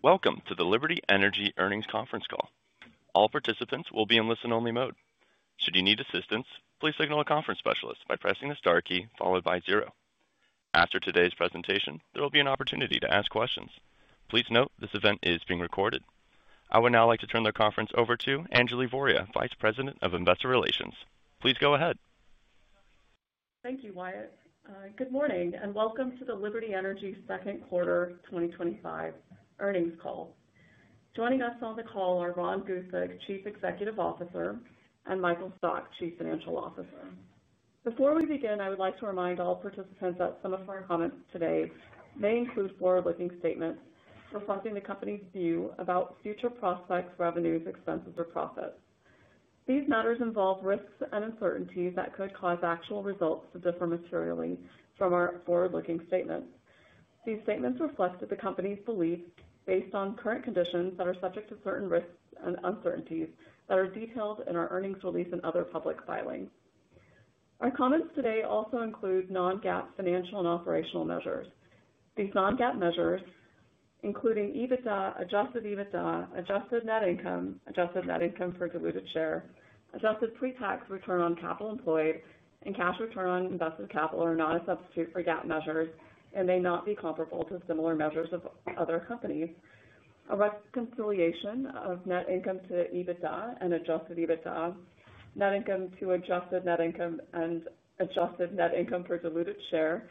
Welcome to the Liberty Energy earnings conference call. All participants will be in listen-only mode. Should you need assistance, please signal a conference specialist by pressing the star key followed by zero. After today's presentation, there will be an opportunity to ask questions. Please note this event is being recorded. I would now like to turn the conference over to Anjali Voria, Vice President of Investor Relations. Please go ahead. Thank you, Wyatt. Good morning and welcome to the Liberty Energy second quarter 2025 earnings call. Joining us on the call are Ron Gusek, Chief Executive Officer, and Michael Stock, Chief Financial Officer. Before we begin, I would like to remind all participants that some of our comments today may include forward-looking statements reflecting the company's view about future prospects, revenues, expenses, or profits. These matters involve risks and uncertainties that could cause actual results to differ materially from our forward-looking statements. These statements reflect the company's belief based on current conditions that are subject to certain risks and uncertainties that are detailed in our earnings release and other public filings. Our comments today also include non-GAAP financial and operational measures. These non-GAAP measures, including EBITDA, adjusted EBITDA, adjusted net income, adjusted net income per diluted share, adjusted pre-tax return on capital employed, and cash return on invested capital, are not a substitute for GAAP measures and may not be comparable to similar measures of other companies. A reconciliation of net income to EBITDA and adjusted EBITDA, net income to adjusted net income, and adjusted net income per diluted share,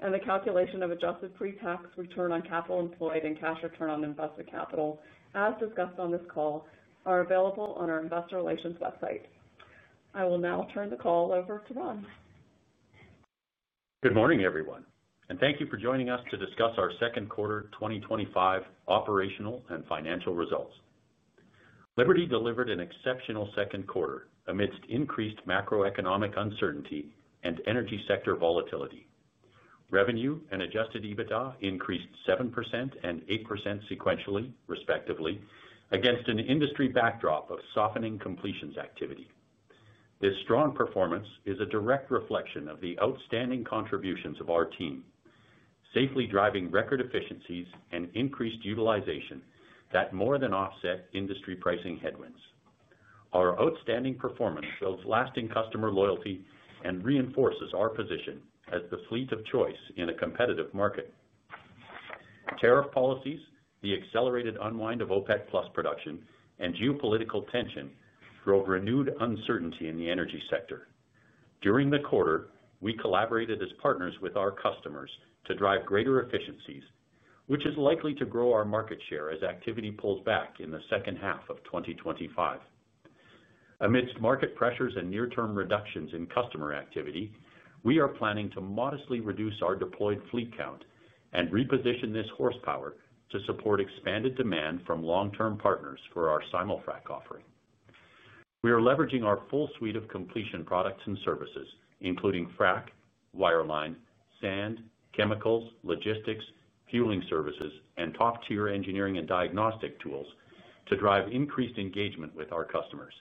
and the calculation of adjusted pre-tax return on capital employed and cash return on invested capital, as discussed on this call, are available on our Investor Relations website. I will now turn the call over to Ron. Good morning, everyone, and thank you for joining us to discuss our second quarter 2025 operational and financial results. Liberty delivered an exceptional second quarter amidst increased macroeconomic uncertainty and energy sector volatility. Revenue and adjusted EBITDA increased 7% and 8% sequentially, respectively, against an industry backdrop of softening completions activity. This strong performance is a direct reflection of the outstanding contributions of our team, safely driving record efficiencies and increased utilization that more than offset industry pricing headwinds. Our outstanding performance builds lasting customer loyalty and reinforces our position as the fleet of choice in a competitive market. Tariff policies, the accelerated unwind of OPEC+ production, and geopolitical tension drove renewed uncertainty in the energy sector. During the quarter, we collaborated as partners with our customers to drive greater efficiencies, which is likely to grow our market share as activity pulls back in the second half of 2025. Amidst market pressures and near-term reductions in customer activity, we are planning to modestly reduce our deployed fleet count and reposition this horsepower to support expanded demand from long-term partners for our simul-frac offering. We are leveraging our full suite of completion products and services, including frac, wireline, sand, chemicals, logistics, fueling services, and top-tier engineering and diagnostic tools, to drive increased engagement with our customers.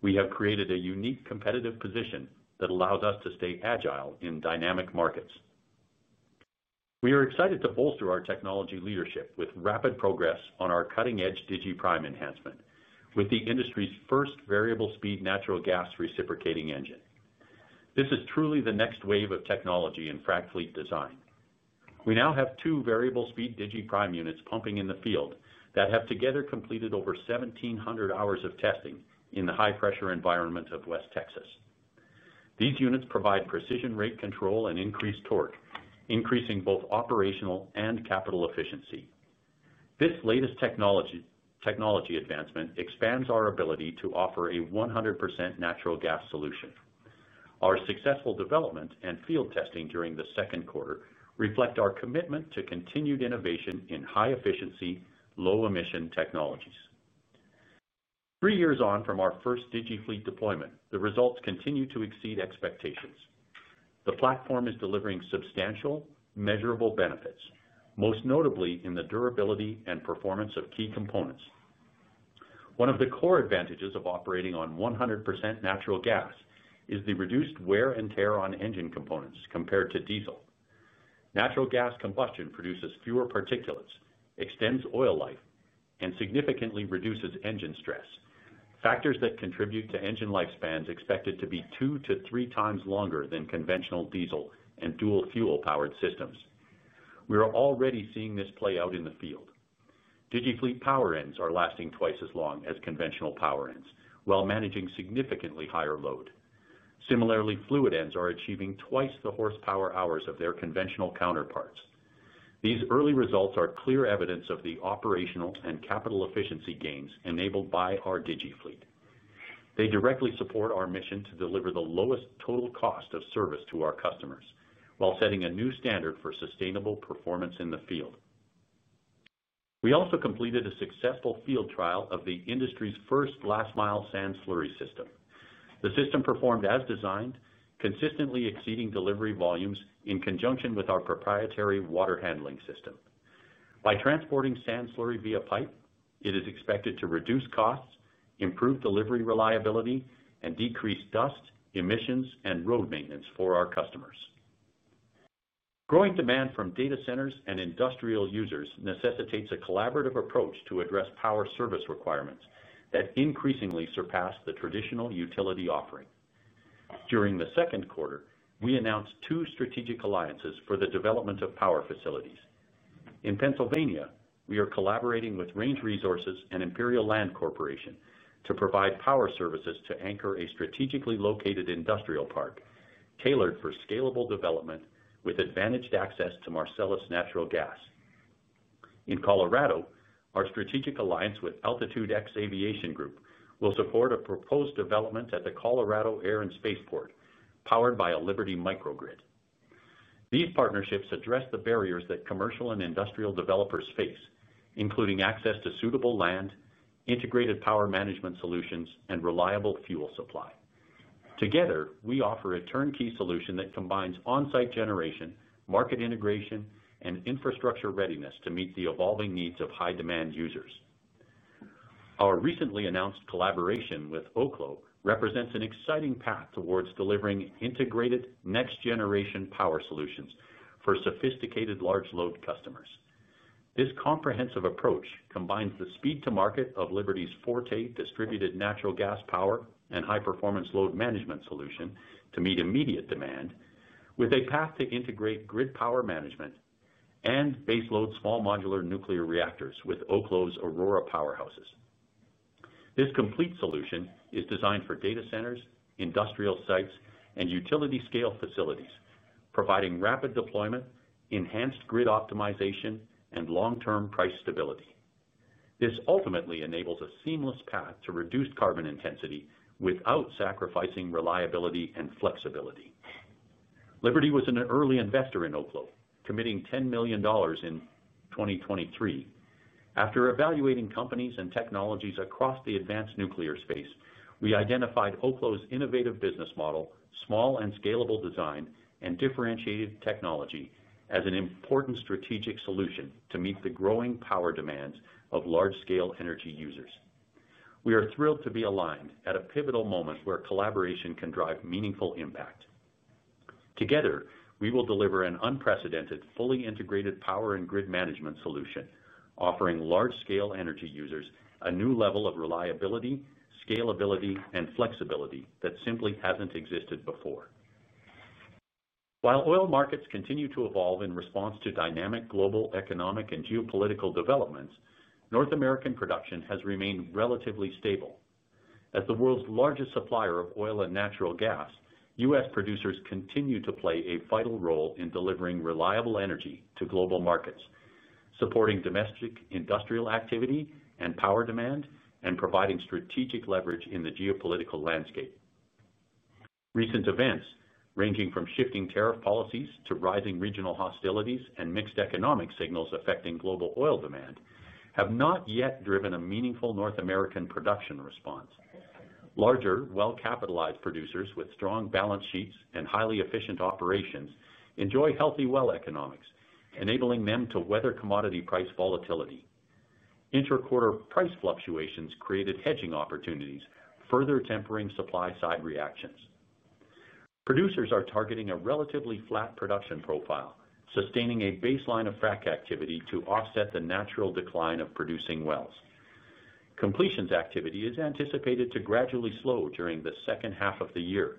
We have created a unique competitive position that allows us to stay agile in dynamic markets. We are excited to bolster our technology leadership with rapid progress on our cutting-edge DigiPrime enhancement, with the industry's first variable speed natural gas reciprocating engine. This is truly the next wave of technology in frac fleet design. We now have two variable speed DigiPrime units pumping in the field that have together completed over 1,700 hours of testing in the high-pressure environment of West Texas. These units provide precision rate control and increased torque, increasing both operational and capital efficiency. This latest technology advancement expands our ability to offer a 100% natural gas solution. Our successful development and field testing during the second quarter reflect our commitment to continued innovation in high-efficiency, low-emission technologies. Three years on from our first DigiFleet deployment, the results continue to exceed expectations. The platform is delivering substantial, measurable benefits, most notably in the durability and performance of key components. One of the core advantages of operating on 100% natural gas is the reduced wear and tear on engine components compared to diesel. Natural gas combustion produces fewer particulates, extends oil life, and significantly reduces engine stress, factors that contribute to engine lifespans expected to be two to three times longer than conventional diesel and dual fuel-powered systems. We are already seeing this play out in the field. DigiFleet power ends are lasting twice as long as conventional power ends, while managing significantly higher load. Similarly, fluid ends are achieving twice the horsepower hours of their conventional counterparts. These early results are clear evidence of the operational and capital efficiency gains enabled by our DigiFleet. They directly support our mission to deliver the lowest total cost of service to our customers, while setting a new standard for sustainable performance in the field. We also completed a successful field trial of the industry's first last-mile sand slurry system. The system performed as designed, consistently exceeding delivery volumes in conjunction with our proprietary Water Handling System. By transporting sand slurry via pipe, it is expected to reduce costs, improve delivery reliability, and decrease dust emissions and road maintenance for our customers. Growing demand from data centers and industrial users necessitates a collaborative approach to address power service requirements that increasingly surpass the traditional utility offering. During the second quarter, we announced two strategic alliances for the development of power facilities. In Pennsylvania, we are collaborating with Range Resources and Imperial Land Corporation to provide power services to anchor a strategically located industrial park tailored for scalable development with advantaged access to Marcellus natural gas. In Colorado, our strategic alliance with AltitudeX Aviation Group will support a proposed development at the Colorado Air and Spaceport, powered by a Liberty microgrid. These partnerships address the barriers that commercial and industrial developers face, including access to suitable land, integrated power management solutions, and reliable fuel supply. Together, we offer a turnkey solution that combines on-site generation, market integration, and infrastructure readiness to meet the evolving needs of high-demand users. Our recently announced collaboration with Oklo represents an exciting path towards delivering integrated next-generation power solutions for sophisticated large load customers. This comprehensive approach combines the speed to market of Liberty's Forte distributed natural gas power and high performance load management solution to meet immediate demand, with a path to integrate grid power management and baseload small modular nuclear reactors with Oklo's Aurora powerhouses. This complete solution is designed for data centers, industrial sites, and utility scale facilities, providing rapid deployment, enhanced grid optimization, and long-term price stability. This ultimately enables a seamless path to reduced carbon intensity without sacrificing reliability and flexibility. Liberty was an early investor in Oklo, committing $10 million in 2023. After evaluating companies and technologies across the advanced nuclear space, we identified Oklo's innovative business model, small and scalable design, and differentiated technology as an important strategic solution to meet the growing power demands of large-scale energy users. We are thrilled to be aligned at a pivotal moment where collaboration can drive meaningful impact. Together, we will deliver an unprecedented, fully integrated Power and Grid Management solution, offering large-scale energy users a new level of reliability, scalability, and flexibility that simply hasn't existed before. While oil markets continue to evolve in response to dynamic global economic and geopolitical developments, North American production has remained relatively stable. As the world's largest supplier of oil and natural gas, U.S. producers continue to play a vital role in delivering reliable energy to global markets, supporting domestic industrial activity and power demand, and providing strategic leverage in the geopolitical landscape. Recent events, ranging from shifting tariff policies to rising regional hostilities and mixed economic signals affecting global oil demand, have not yet driven a meaningful North American production response. Larger, well-capitalized producers with strong balance sheets and highly efficient operations enjoy healthy well economics, enabling them to weather commodity price volatility. Interquarter price fluctuations created hedging opportunities, further tempering supply-side reactions. Producers are targeting a relatively flat production profile, sustaining a baseline of frac activity to offset the natural decline of producing wells. Completions activity is anticipated to gradually slow during the second half of the year,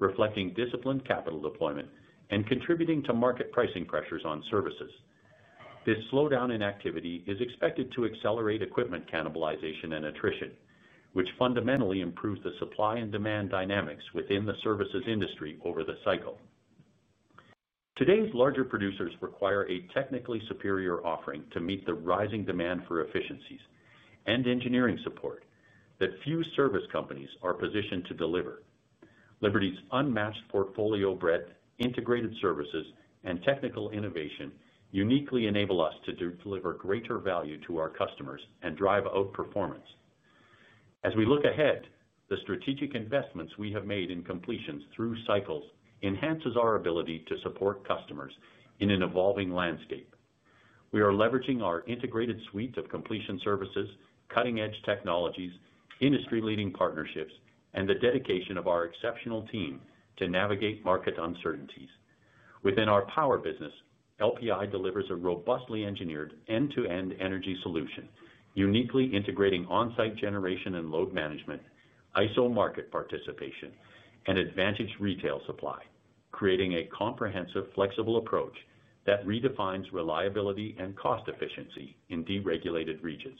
reflecting disciplined capital deployment and contributing to market pricing pressures on services. This slowdown in activity is expected to accelerate equipment cannibalization and attrition, which fundamentally improves the supply and demand dynamics within the services industry over the cycle. Today's larger producers require a technically superior offering to meet the rising demand for efficiencies and engineering support that few service companies are positioned to deliver. Liberty's unmatched portfolio breadth, integrated services, and technical innovation uniquely enable us to deliver greater value to our customers and drive out performance. As we look ahead, the strategic investments we have made in completions through cycles enhance our ability to support customers in an evolving landscape. We are leveraging our integrated suite of completion services, cutting-edge technologies, industry-leading partnerships, and the dedication of our exceptional team to navigate market uncertainties. Within our power business, LPI delivers a robustly engineered end-to-end energy solution, uniquely integrating on-site generation and load management, ISO market participation, and advantaged retail supply, creating a comprehensive, flexible approach that redefines reliability and cost efficiency in deregulated regions.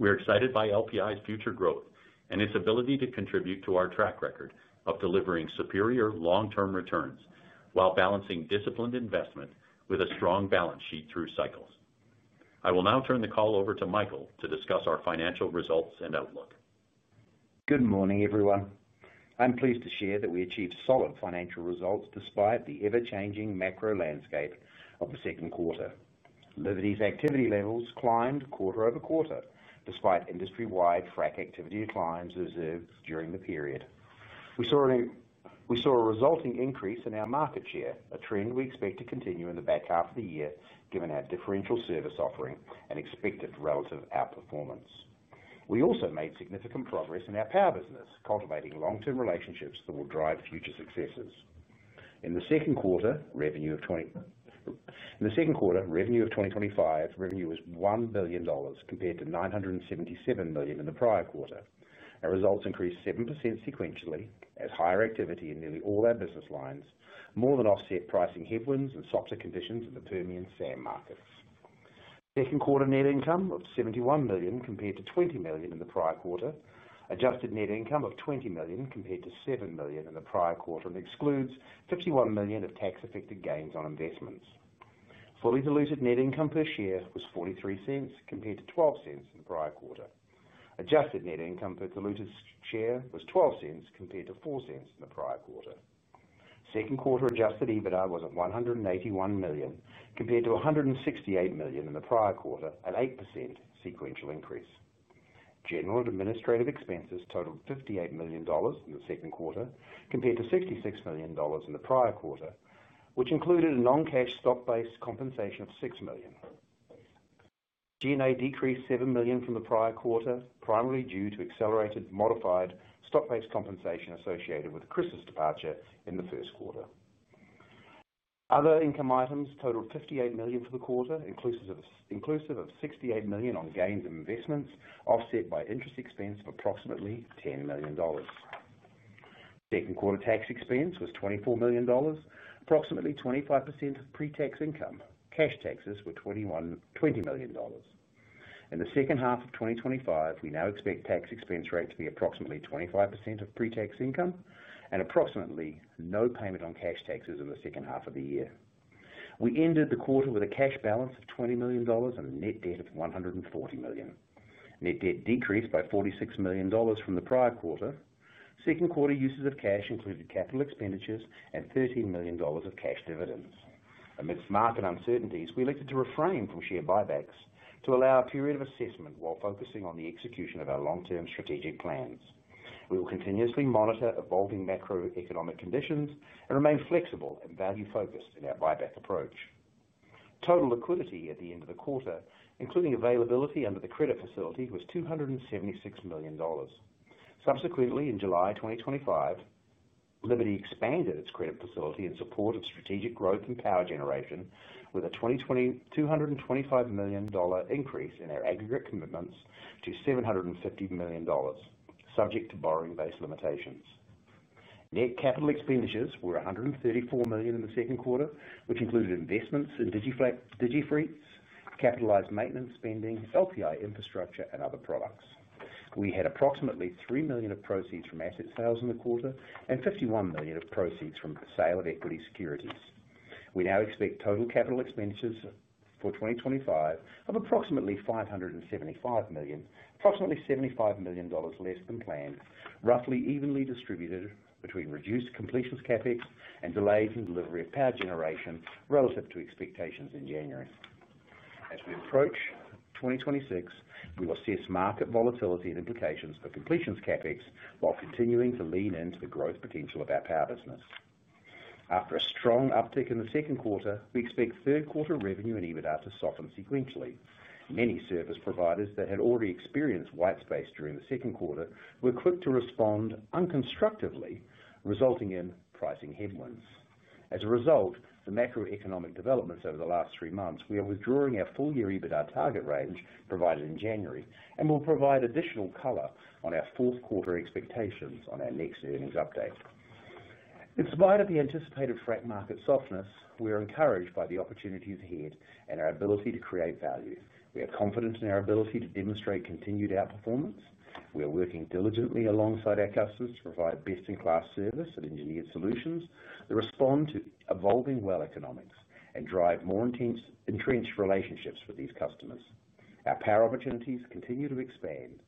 We are excited by LPI's future growth and its ability to contribute to our track record of delivering superior long-term returns while balancing disciplined investment with a strong balance sheet through cycles. I will now turn the call over to Michael to discuss our financial results and outlook. Good morning, everyone. I'm pleased to share that we achieved solid financial results despite the ever-changing macro landscape of the second quarter. Liberty's activity levels climbed quarter-over-quarter, despite industry-wide frac activity declines observed during the period. We saw a resulting increase in our market share, a trend we expect to continue in the back half of the year, given our differential service offering and expected relative outperformance. We also made significant progress in our power business, cultivating long-term relationships that will drive future successes. In the second quarter, revenue was $1 billion compared to $977 million in the prior quarter. Our results increased 7% sequentially, as higher activity in nearly all our business lines more than offset pricing headwinds and softer conditions in the Permian sand markets. Second quarter net income was $71 million compared to $20 million in the prior quarter, adjusted net income of $20 million compared to $7 million in the prior quarter, and excludes $51 million of tax-affected gains on investments. Fully diluted net income per share was $0.43 compared to $0.12 in the prior quarter. Adjusted net income per diluted share was $0.12 compared to $0.04 in the prior quarter. Second quarter adjusted EBITDA was $181 million compared to $168 million in the prior quarter, an 8% sequential increase. General and administrative expenses totaled $58 million in the second quarter compared to $66 million in the prior quarter, which included a non-cash stock-based compensation of $6 million. G&A decreased $7 million from the prior quarter, primarily due to accelerated modified stock-based compensation associated with Chris's departure in the first quarter. Other income items totaled $58 million for the quarter, inclusive of $68 million on gains of investments offset by interest expense of approximately $10 million. Second quarter tax expense was $24 million, approximately 25% of pre-tax income. Cash taxes were $21 million and $20 million. In the second half of 2025, we now expect tax expense rate to be approximately 25% of pre-tax income and approximately no payment on cash taxes in the second half of the year. We ended the quarter with a cash balance of $20 million and a net debt of $140 million. Net debt decreased by $46 million from the prior quarter. Second quarter uses of cash included capital expenditures and $13 million of cash dividends. Amidst market uncertainties, we elected to refrain from share buybacks to allow a period of assessment while focusing on the execution of our long-term strategic plans. We will continuously monitor evolving macroeconomic conditions and remain flexible and value-focused in our buyback approach. Total liquidity at the end of the quarter, including availability under the credit facility, was $276 million. Subsequently, in July 2025, Liberty expanded its credit facility in support of strategic growth and power generation, with a $225 million increase in our aggregate commitments to $750 million, subject to borrowing-based limitations. Net capital expenditures were $134 million in the second quarter, which included investments in DigiFleet, capitalized maintenance spending, LPI infrastructure, and other products. We had approximately $3 million of proceeds from asset sales in the quarter and $51 million of proceeds from the sale of equity securities. We now expect total capital expenditures for 2025 of approximately $575 million, approximately $75 million less than planned, roughly evenly distributed between reduced completions CapEx and delays in delivery of power generation relative to expectations in January. As we approach 2026, we will assess market volatility and implications for completions CapEx while continuing to lean into the growth potential of our power business. After a strong uptick in the second quarter, we expect third quarter revenue and EBITDA to soften sequentially. Many service providers that had already experienced white space during the second quarter were quick to respond unconstructively, resulting in pricing headwinds. As a result of the macroeconomic developments over the last three months, we are withdrawing our full-year EBITDA target range provided in January and will provide additional color on our fourth quarter expectations on our next earnings update. In spite of the anticipated frac market softness, we are encouraged by the opportunities ahead and our ability to create value. We are confident in our ability to demonstrate continued outperformance. We are working diligently alongside our customers to provide best-in-class service and engineered solutions that respond to evolving well economics and drive more intense entrenched relationships with these customers. Our power opportunities continue to expand,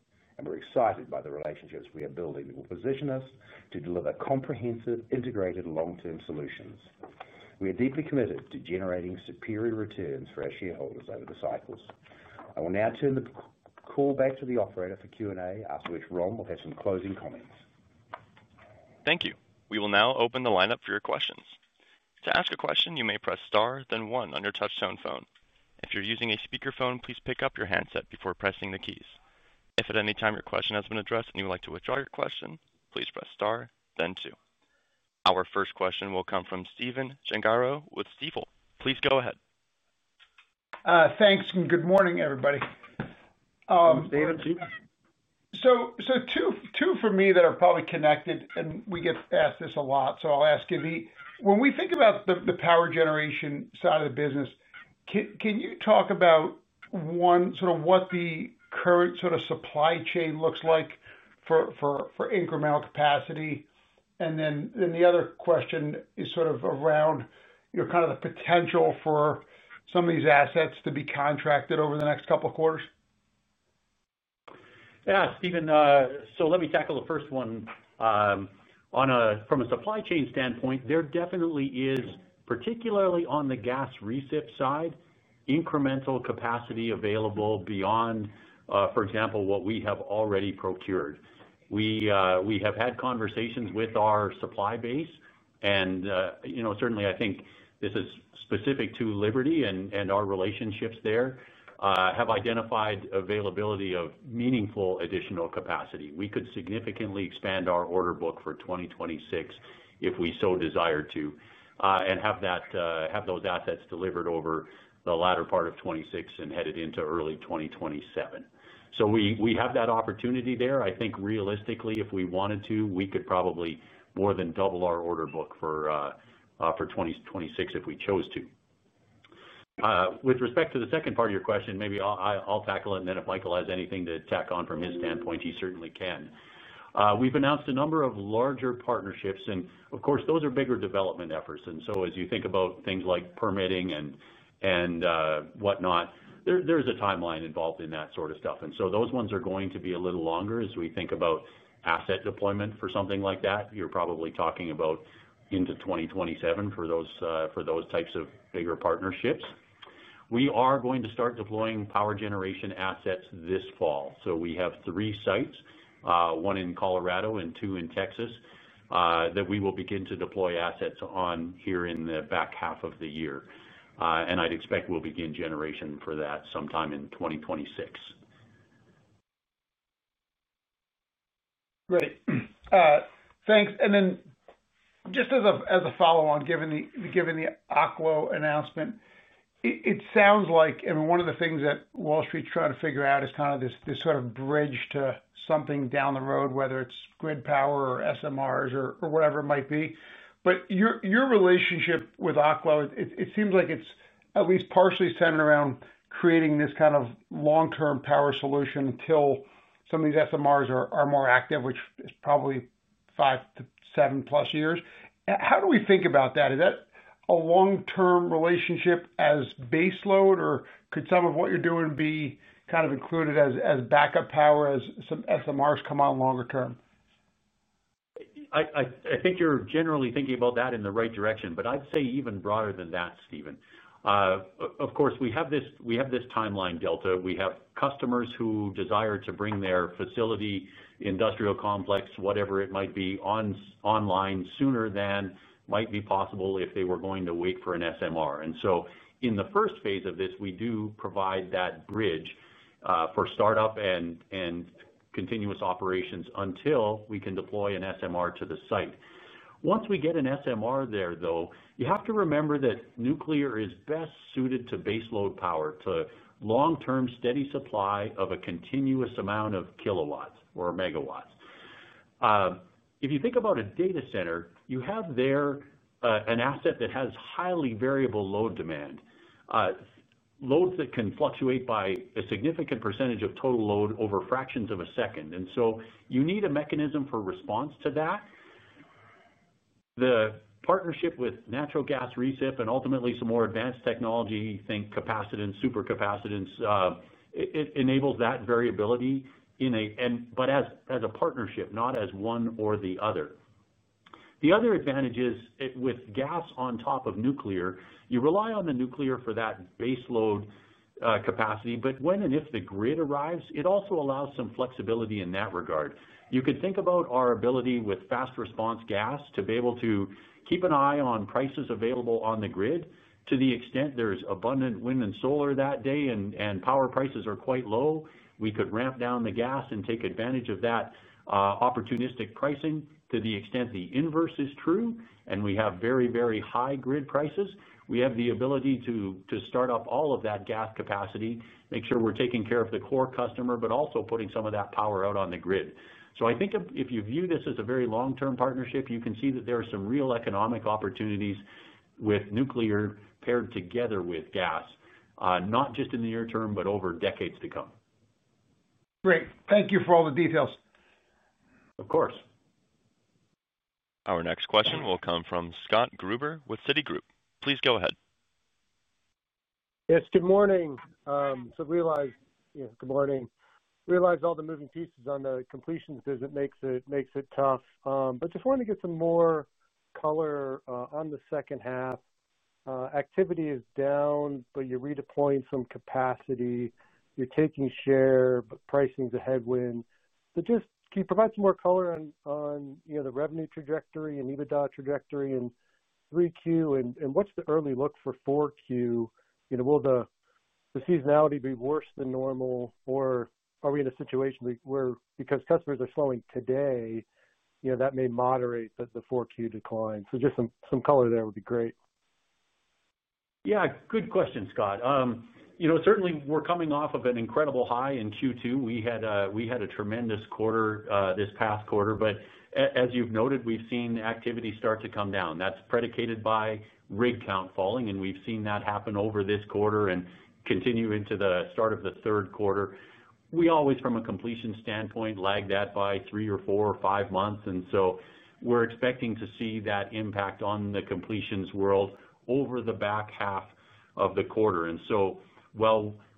and we're excited by the relationships we are building that will position us to deliver comprehensive, integrated long-term solutions. We are deeply committed to generating superior returns for our shareholders over the cycles. I will now turn the call back to the operator for Q&A, after which Ron will have some closing comments. Thank you. We will now open the lineup for your questions. To ask a question, you may press star, then one on your touch-tone phone. If you're using a speaker phone, please pick up your handset before pressing the keys. If at any time your question has been addressed and you would like to withdraw your question, please press star, then two. Our first question will come from Stephen Gengaro with Stifel. Please go ahead. Thanks, and good morning, everybody. Good morning Stephen. Two for me that have probably connected, and we get asked this a lot. I'll ask you, when we think about the power generation side of the business, can you talk about, one, sort of what the current sort of supply chain looks like for incremental capacity? The other question is sort of around your kind of the potential for some of these assets to be contracted over the next couple of quarters. Yeah, Stephen, let me tackle the first one. From a supply chain standpoint, there definitely is, particularly on the gas reset side, incremental capacity available beyond, for example, what we have already procured. We have had conversations with our supply base, and certainly I think this is specific to Liberty and our relationships there, have identified availability of meaningful additional capacity. We could significantly expand our order book for 2026 if we so desired to, and have those assets delivered over the latter part of 2026 and headed into early 2027. We have that opportunity there. I think realistically, if we wanted to, we could probably more than double our order book for 2026 if we chose to. With respect to the second part of your question, maybe I'll tackle it, and then if Michael has anything to tack on from his standpoint, he certainly can. We've announced a number of larger partnerships, and of course, those are bigger development efforts. As you think about things like permitting and whatnot, there's a timeline involved in that sort of stuff. Those ones are going to be a little longer as we think about asset deployment for something like that. You're probably talking about into 2027 for those types of bigger partnerships. We are going to start deploying power generation assets this fall. We have three sites, one in Colorado and two in Texas, that we will begin to deploy assets on here in the back half of the year. I'd expect we'll begin generation for that sometime in 2026. Great. Thanks. Just as a follow-on, given the Oklo announcement, it sounds like, I mean, one of the things that Wall Street's trying to figure out is kind of this sort of bridge to something down the road, whether it's Grid Power or SMRs or whatever it might be. Your relationship with Oklo, it seems like it's at least partially centered around creating this kind of long-term power solution until some of these SMRs are more active, which is probably five to seven-plus years. How do we think about that? Is that a long-term relationship as baseload, or could some of what you're doing be kind of included as backup power as some SMRs come on longer-term? I think you're generally thinking about that in the right direction, but I'd say even broader than that, Stephen. Of course, we have this timeline delta. We have customers who desire to bring their facility, industrial complex, whatever it might be, online sooner than might be possible if they were going to wait for an SMR. In the first phase of this, we do provide that bridge for startup and continuous operations until we can deploy an SMR to the site. Once we get an SMR there, you have to remember that nuclear is best suited to baseload power, to long-term steady supply of a continuous amount of kilowatts or megawatts. If you think about a data center, you have there an asset that has highly variable load demand, loads that can fluctuate by a significant percentage of total load over fractions of a second. You need a mechanism for response to that. The partnership with natural gas reciprocating engines and ultimately some more advanced technology, think capacitance, supercapacitance, enables that variability, but as a partnership, not as one or the other. The other advantage is with gas on top of nuclear, you rely on the nuclear for that baseload capacity, but when and if the grid arrives, it also allows some flexibility in that regard. You could think about our ability with fast response gas to be able to keep an eye on prices available on the grid. To the extent there's abundant wind and solar that day and power prices are quite low, we could ramp down the gas and take advantage of that opportunistic pricing. To the extent the inverse is true, and we have very, very high grid prices, we have the ability to start up all of that gas capacity, make sure we're taking care of the core customer, but also putting some of that power out on the grid. I think if you view this as a very long-term partnership, you can see that there are some real economic opportunities with nuclear paired together with gas, not just in the near term, but over decades to come. Great. Thank you for all the details. Of course. Our next question will come from Scott Gruber with Citi Group. Please go ahead. Good morning. Realized all the moving pieces on the completions because it makes it tough. Just wanted to get some more color on the second half. Activity is down, but you're redeploying some capacity. You're taking share, but pricing is a headwind. Can you provide some more color on the revenue trajectory and EBITDA trajectory in 3Q? What's the early look for 4Q? Will the seasonality be worse than normal? Are we in a situation where, because customers are slowing today, that may moderate the 4Q decline? Some color there would be great. Yeah, good question, Scott. You know, certainly we're coming off of an incredible high in Q2. We had a tremendous quarter this past quarter, but as you've noted, we've seen activity start to come down. That's predicated by rig count falling, and we've seen that happen over this quarter and continue into the start of the third quarter. We always, from a completion standpoint, lag that by three or four or five months. We're expecting to see that impact on the completions world over the back half of the quarter.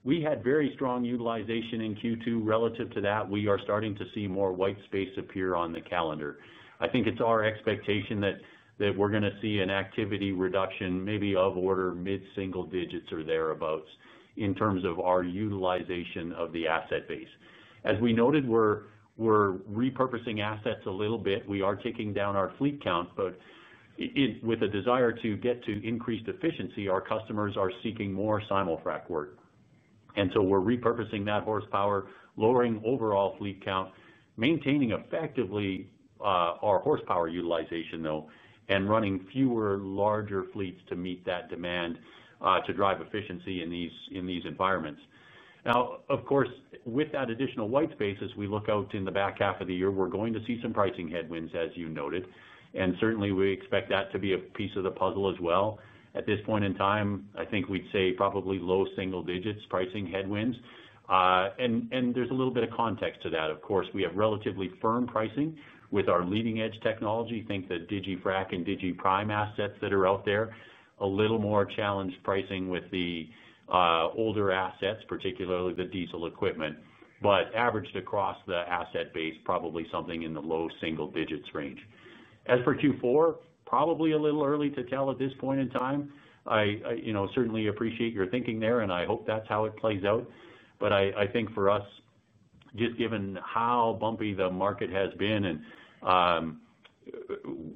We had very strong utilization in Q2. Relative to that, we are starting to see more white space appear on the calendar. I think it's our expectation that we're going to see an activity reduction maybe of order mid-single digits or thereabouts in terms of our utilization of the asset base. As we noted, we're repurposing assets a little bit. We are taking down our fleet count, with a desire to get to increased efficiency. Our customers are seeking more simul-frac work. We're repurposing that horsepower, lowering overall fleet count, maintaining effectively our horsepower utilization, and running fewer larger fleets to meet that demand to drive efficiency in these environments. Of course, with that additional white space, as we look out in the back half of the year, we're going to see some pricing headwinds, as you noted. Certainly, we expect that to be a piece of the puzzle as well. At this point in time, I think we'd say probably low single digits pricing headwinds. There's a little bit of context to that. Of course, we have relatively firm pricing with our leading-edge technology. Think the DigiFleet and DigiPrime assets that are out there, a little more challenged pricing with the older assets, particularly the diesel equipment, but averaged across the asset base, probably something in the low single digits range. As for Q4, probably a little early to tell at this point in time. I certainly appreciate your thinking there, and I hope that's how it plays out. I think for us, just given how bumpy the market has been,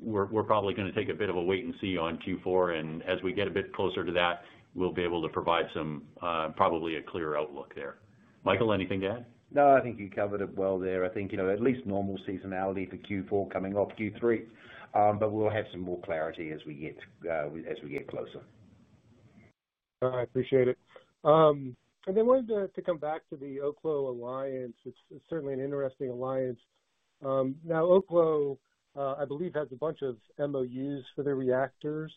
we're probably going to take a bit of a wait and see on Q4. As we get a bit closer to that, we'll be able to provide some probably a clear outlook there. Michael, anything to add? No, I think you covered it well there. I think, you know, at least normal seasonality for Q4 coming off Q3. We'll have some more clarity as we get closer. All right, appreciate it. I wanted to come back to the Oklo alliance, which is certainly an interesting alliance. Now, Oklo, I believe, has a bunch of MOUs for their reactors.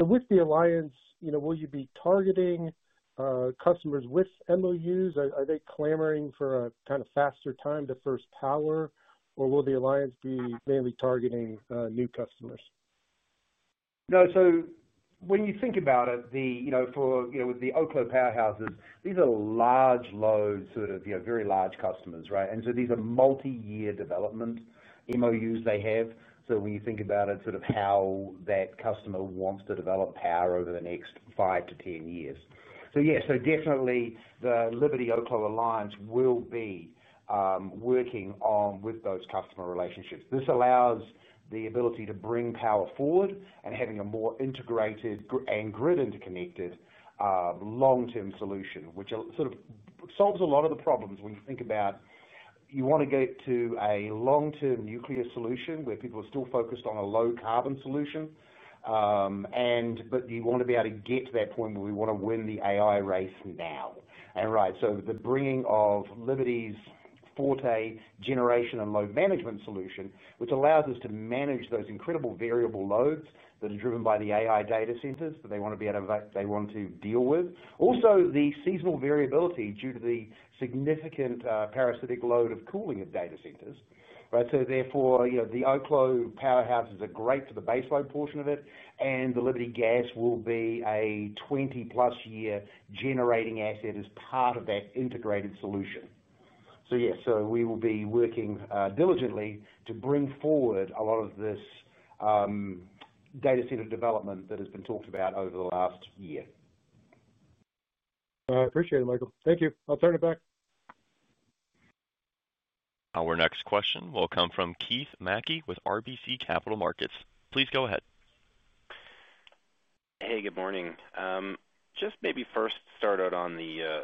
With the alliance, will you be targeting customers with MOUs? Are they clamoring for a kind of faster time to first power, or will the alliance be mainly targeting new customers? When you think about it, with the Oklo powerhouses, these are large loads, very large customers, right? These are multi-year development MOUs they have. When you think about how that customer wants to develop power over the next five to 10 years, the Liberty-Oklo alliance will be working on those customer relationships. This allows the ability to bring power forward and have a more integrated and grid-interconnected long-term solution, which solves a lot of the problems when you want to get to a long-term nuclear solution where people are still focused on a low carbon solution. You want to be able to get to that point where we want to win the AI race now. The bringing of Liberty's Forte generation and load management solution allows us to manage those incredible variable loads that are driven by the AI data centers that they want to be able to deal with, also the seasonal variability due to the significant parasitic load of cooling at data centers. The Oklo powerhouses are great for the baseload portion of it, and the Liberty Gas will be a 20+ year generating asset as part of that integrated solution. We will be working diligently to bring forward a lot of this data center development that has been talked about over the last year. I appreciate it, Michael. Thank you. I'll turn it back. Our next question will come from Keith Mackey with RBC Capital Markets. Please go ahead. Hey, good morning. Just maybe first start out on the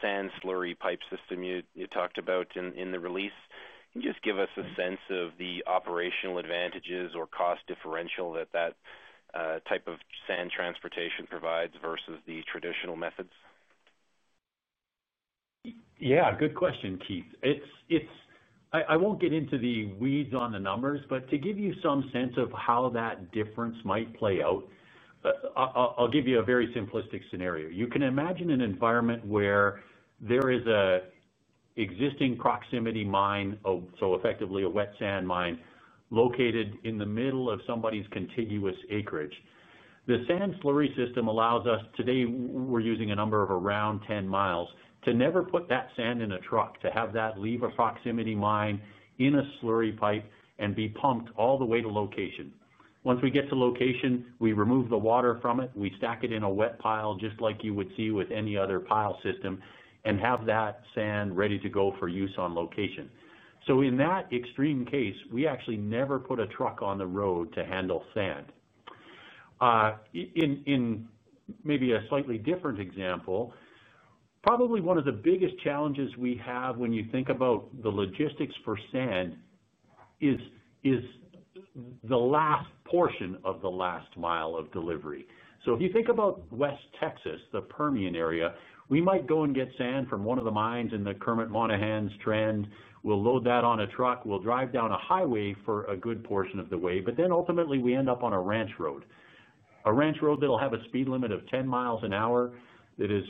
sand slurry pipe system you talked about in the release. Can you just give us a sense of the operational advantages or cost differential that that type of sand transportation provides versus the traditional methods? Yeah, good question, Keith. I won't get into the weeds on the numbers, but to give you some sense of how that difference might play out, I'll give you a very simplistic scenario. You can imagine an environment where there is an existing proximity mine, so effectively a wet sand mine, located in the middle of somebody's contiguous acreage. The sand slurry system allows us, today we're using a number of around 10 mi, to never put that sand in a truck, to have that leave a proximity mine in a slurry pipe and be pumped all the way to location. Once we get to location, we remove the water from it, we stack it in a wet pile just like you would see with any other pile system, and have that sand ready to go for use on location. In that extreme case, we actually never put a truck on the road to handle sand. In maybe a slightly different example, probably one of the biggest challenges we have when you think about the logistics for sand is the last portion of the last mile of delivery. If you think about West Texas, the Permian area, we might go and get sand from one of the mines in the Kermit Monahans trend. We'll load that on a truck. We'll drive down a highway for a good portion of the way, but ultimately we end up on a ranch road. A ranch road that'll have a speed limit of 10 mi an hour that is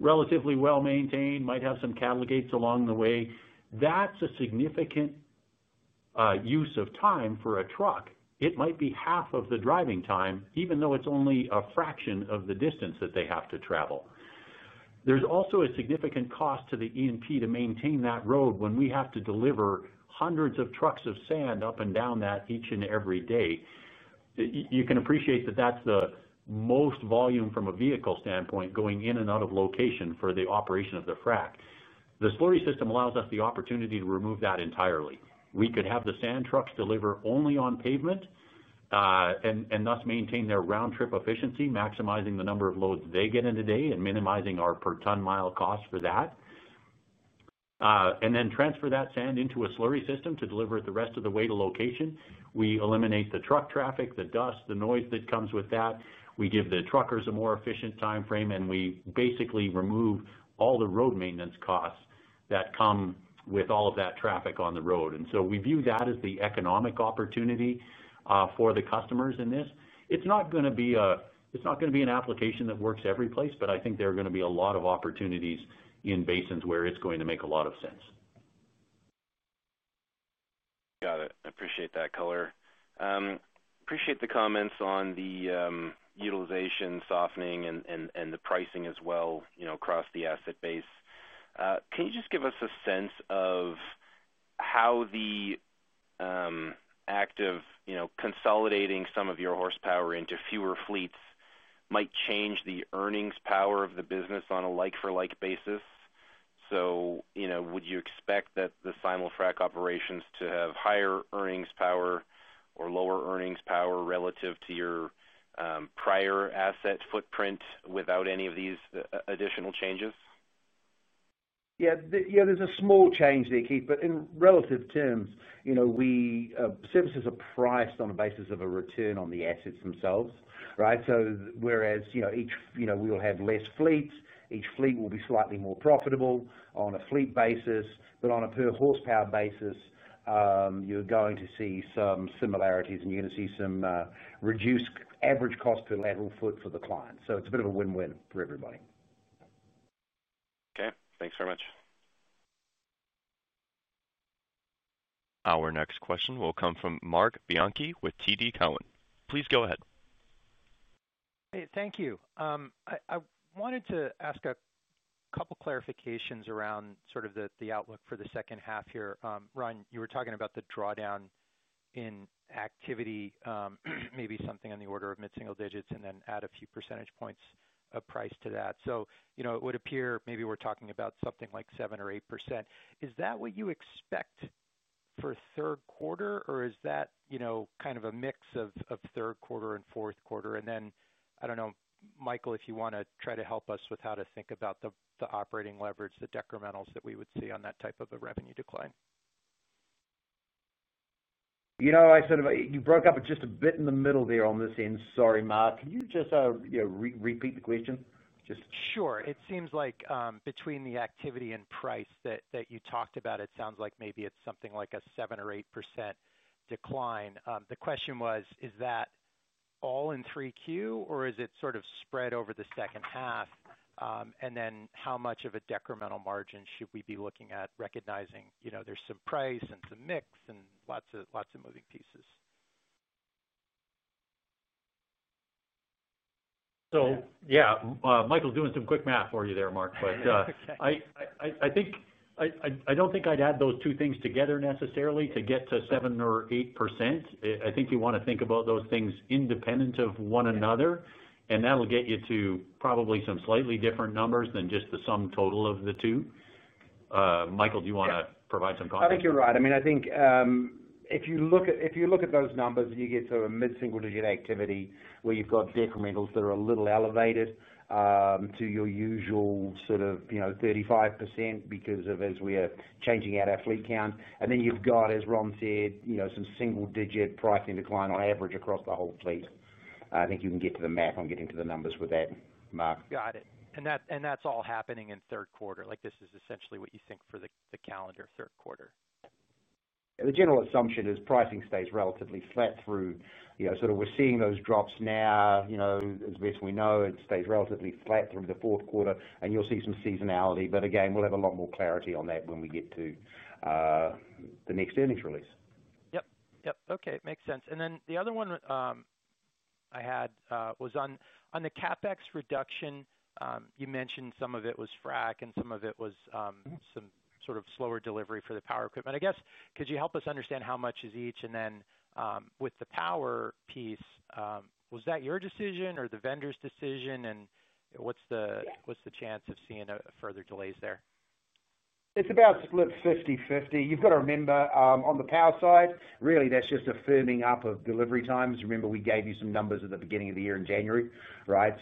relatively well maintained, might have some cattle gates along the way. That's a significant use of time for a truck. It might be half of the driving time, even though it's only a fraction of the distance that they have to travel. There's also a significant cost to the E&P to maintain that road when we have to deliver hundreds of trucks of sand up and down that each and every day. You can appreciate that that's the most volume from a vehicle standpoint going in and out of location for the operation of the frac. The slurry system allows us the opportunity to remove that entirely. We could have the sand trucks deliver only on pavement and thus maintain their round trip efficiency, maximizing the number of loads they get in a day and minimizing our per ton mile cost for that. Then transfer that sand into a slurry system to deliver it the rest of the way to location. We eliminate the truck traffic, the dust, the noise that comes with that. We give the truckers a more efficient time frame, and we basically remove all the road maintenance costs that come with all of that traffic on the road. We view that as the economic opportunity for the customers in this. It's not going to be an application that works every place, but I think there are going to be a lot of opportunities in basins where it's going to make a lot of sense. Got it. I appreciate that color. Appreciate the comments on the utilization, softening, and the pricing as well, across the asset base. Can you just give us a sense of how the act of consolidating some of your horsepower into fewer fleets might change the earnings power of the business on a like-for-like basis? Would you expect the simul-frac operations to have higher earnings power or lower earnings power relative to your prior asset footprint without any of these additional changes? Yeah, there's a small change there, Keith, but in relative terms, you know, services are priced on the basis of a return on the assets themselves, right? Whereas, you know, each, you know, we'll have less fleets. Each fleet will be slightly more profitable on a fleet basis, but on a per horsepower basis, you're going to see some similarities and you're going to see some reduced average cost per lateral foot for the client. It's a bit of a win-win for everybody. Okay, thanks very much. Our next question will come from Marc Bianchi with TD Cowen. Please go ahead. Hey, thank you. I wanted to ask a couple of clarifications around sort of the outlook for the second half here. Ron, you were talking about the drawdown in activity, maybe something on the order of mid-single digits and then add a few percentage points of price to that. It would appear maybe we're talking about something like 7% or 8%. Is that what you expect for third quarter, or is that kind of a mix of third quarter and fourth quarter? I don't know, Michael, if you want to try to help us with how to think about the operating leverage, the decrementals that we would see on that type of a revenue decline. You broke up just a bit in the middle there on this end. Sorry, Marc. Can you repeat the question? Sure. It seems like between the activity and price that you talked about, it sounds like maybe it's something like a 7% or 8% decline. The question was, is that all in 3Q, or is it sort of spread over the second half? How much of a decremental margin should we be looking at recognizing, you know, there's some price and some mix and lots of moving pieces? Michael's doing some quick math for you there, Marc. I don't think I'd add those two things together necessarily to get to 7% or 8%. I think you want to think about those things independent of one another. That'll get you to probably some slightly different numbers than just the sum total of the two. Michael, do you want to provide some context? I think you're right. I mean, I think if you look at those numbers and you get to a mid-single digit activity where you've got decrementals that are a little elevated to your usual sort of, you know, 35% because as we are changing out our fleet count, and then you've got, as Ron said, some single-digit pricing decline on average across the whole fleet. I think you can get to the math on getting to the numbers with that, Marc. Got it. That's all happening in the third quarter. This is essentially what you think for the calendar third quarter. The general assumption is pricing stays relatively flat through, you know, sort of we're seeing those drops now. As best we know, it stays relatively flat through the fourth quarter. You'll see some seasonality. We'll have a lot more clarity on that when we get to the next earnings release. Okay, it makes sense. The other one I had was on the CapEx reduction. You mentioned some of it was frac and some of it was some sort of slower delivery for the power equipment. I guess, could you help us understand how much is each? With the power piece, was that your decision or the vendor's decision? What's the chance of seeing further delays there? It's about 50/50. You've got to remember on the power side, really that's just a firming up of delivery times. Remember we gave you some numbers at the beginning of the year in January, right?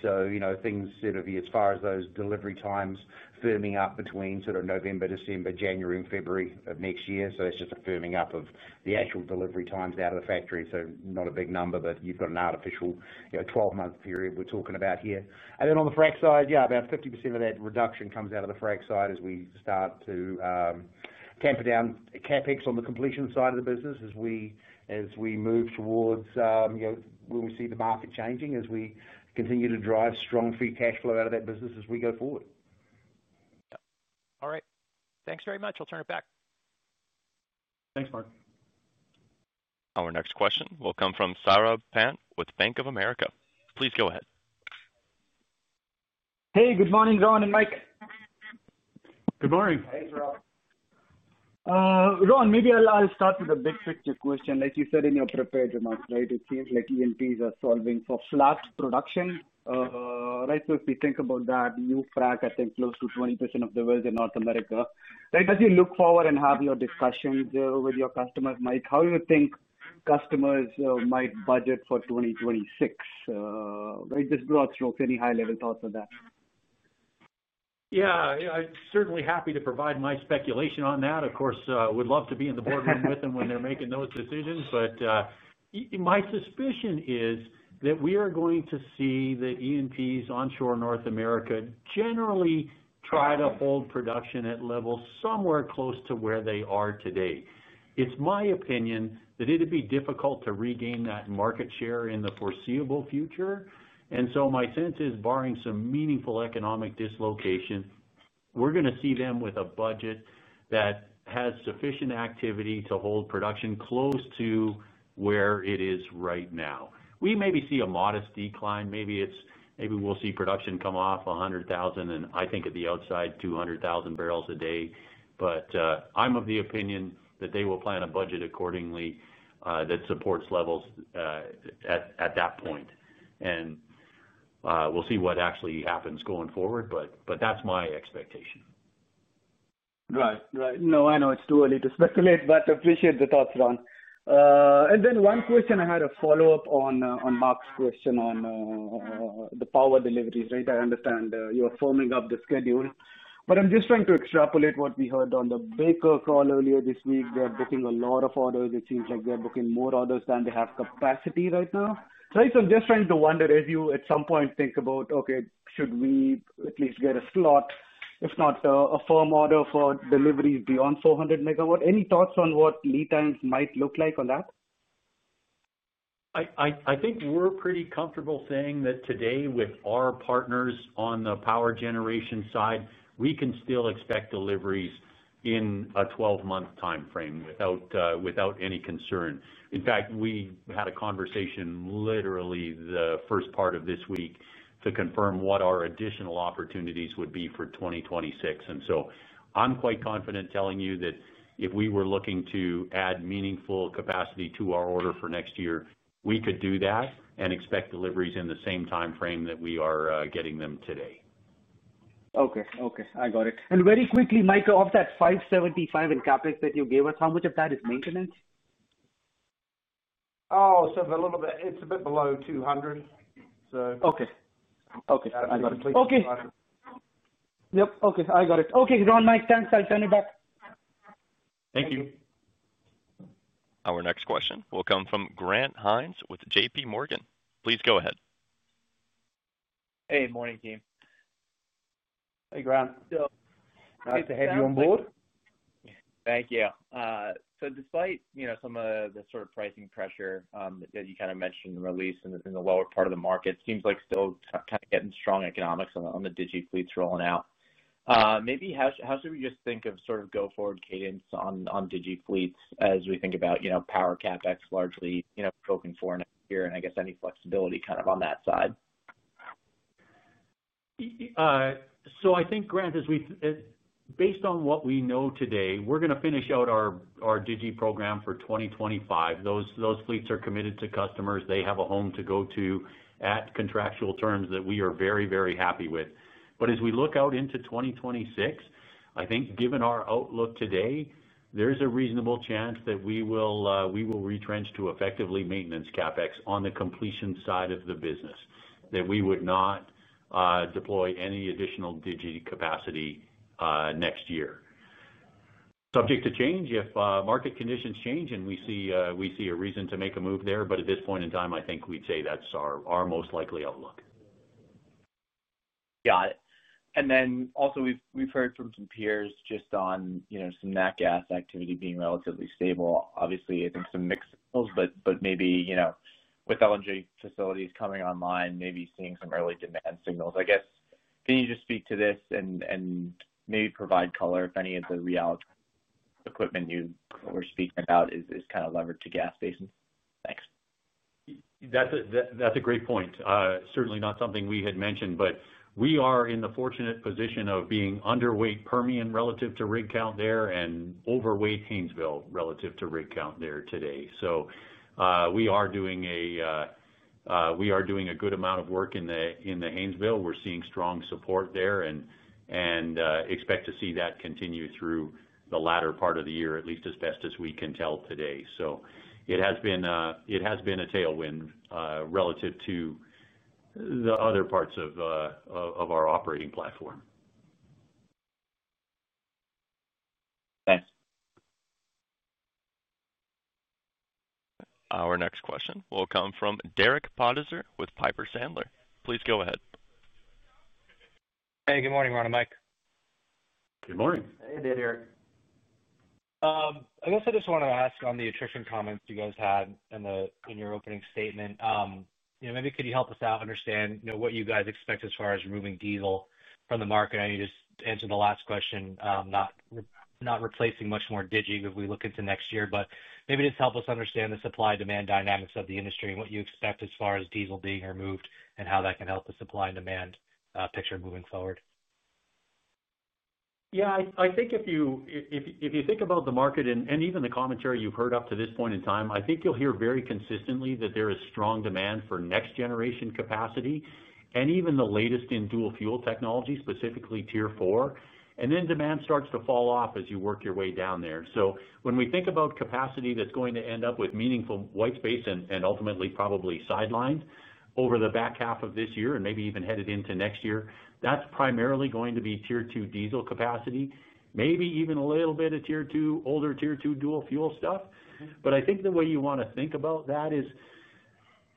Things sort of as far as those delivery times firming up between November, December, January, and February of next year. It's just a firming up of the actual delivery times out of the factory. Not a big number, but you've got an artificial, you know, 12-month period we're talking about here. On the frac side, yeah, about 50% of that reduction comes out of the frac side as we start to tamper down CapEx on the completion side of the business as we move towards when we see the market changing as we continue to drive strong free cash flow out of that business as we go forward. All right. Thanks very much. I'll turn it back. Thanks, Marc. Our next question will come from Saurabh Pant with Bank of America. Please go ahead. Hey, good morning, Ron and Mike. Good morning. Hey, Saurabh. Ron, maybe I'll start with a big picture question. As you said in your prepared remarks, right, it seems like E&Ps are solving for flash production. Right? If we think about that, you crack, I think, close to 20% of the world in North America. As you look forward and have your discussions with your customers, Mike, how do you think customers might budget for 2026? This broad stroke, any high-level thoughts on that? Yeah, I'm certainly happy to provide my speculation on that. Of course, I would love to be in the boardroom with them when they're making those decisions. My suspicion is that we are going to see the E&Ps onshore in North America generally try to hold production at levels somewhere close to where they are today. It's my opinion that it'd be difficult to regain that market share in the foreseeable future. My sense is, barring some meaningful economic dislocation, we're going to see them with a budget that has sufficient activity to hold production close to where it is right now. We maybe see a modest decline. Maybe we'll see production come off 100,000 and I think at the outside 200,000 bbl a day. I'm of the opinion that they will plan a budget accordingly that supports levels at that point. We'll see what actually happens going forward, but that's my expectation. Right. No, I know it's too early to speculate, but I appreciate the thoughts, Ron. One question I had, a follow-up on Marc's question on the power deliveries. I understand you're firming up the schedule, but I'm just trying to extrapolate what we heard on the Baker call earlier this week. They're booking a lot of orders. It seems like they're booking more orders than they have capacity right now. I'm just trying to wonder, as you at some point think about, okay, should we at least get a slot, if not a firm order for deliveries beyond 400 MW? Any thoughts on what lead times might look like on that? I think we're pretty comfortable saying that today with our partners on the power generation side, we can still expect deliveries in a 12-month timeframe without any concern. In fact, we had a conversation literally the first part of this week to confirm what our additional opportunities would be for 2026. I'm quite confident telling you that if we were looking to add meaningful capacity to our order for next year, we could do that and expect deliveries in the same timeframe that we are getting them today. Okay. I got it. Very quickly, Michael, of that $575 million in CapEx that you gave us, how much of that is maintenance? O`h, it's a bit below $200, so. Okay. I got it. Okay. Yep. I got it. Okay, Ron, Mike, thanks. I'll turn it back. Thank you. Our next question will come from Grant Hynes with JPMorgan. Please go ahead. Hey, morning, team. Hey, Grant. Nice to have you on board. Thank you. Despite some of the sort of pricing pressure that you mentioned in the release in the lower part of the market, it seems like still getting strong economics on the DigiFleet rolling out. Maybe how should we just think of go-forward cadence on DigiFleet as we think about, you know, power CapEx largely, you know, poking for in a year and I guess any flexibility on that side? I think, Grant, as we've based on what we know today, we're going to finish out our Digi program for 2025. Those fleets are committed to customers. They have a home to go to at contractual terms that we are very, very happy with. As we look out into 2026, I think given our outlook today, there's a reasonable chance that we will retrench to effectively maintenance CapEx on the completion side of the business, that we would not deploy any additional Digi capacity next year. Subject to change if market conditions change and we see a reason to make a move there, but at this point in time, I think we'd say that's our most likely outlook. Got it. We've heard from some peers just on, you know, some nat gas activity being relatively stable. Obviously, I think some mixed signals, but maybe, you know, with LNG facilities coming online, maybe seeing some early demand signals. I guess can you just speak to this and maybe provide color if any of the REALT equipment you were speaking about is kind of levered to gas stations? Thanks. That's a great point. Certainly not something we had mentioned, but we are in the fortunate position of being underweight Permian relative to rig count there and overweight Haynesville relative to rig count there today. We are doing a good amount of work in the Haynesville. We're seeing strong support there and expect to see that continue through the latter part of the year, at least as best as we can tell today. It has been a tailwind relative to the other parts of our operating platform. Thanks. Our next question will come from Derek Podhaizer with Piper Sandler. Please go ahead. Hey, good morning, Ron and Mike. Good morning. Hey, Derek. I guess I just want to ask on the attrition comments you guys had in your opening statement. Maybe could you help us out understand what you guys expect as far as removing diesel from the market? I know you just answered the last question, not replacing much more Digi if we look into next year, but maybe just help us understand the supply-demand dynamics of the industry and what you expect as far as diesel being removed and how that can help the supply and demand picture moving forward. Yeah, I think if you think about the market and even the commentary you've heard up to this point in time, I think you'll hear very consistently that there is strong demand for next-generation capacity and even the latest in dual fuel technology, specifically Tier 4. Then demand starts to fall off as you work your way down there. When we think about capacity that's going to end up with meaningful white space and ultimately probably sidelined over the back half of this year and maybe even headed into next year, that's primarily going to be Tier 2 diesel capacity, maybe even a little bit of older Tier 2 dual fuel stuff. I think the way you want to think about that is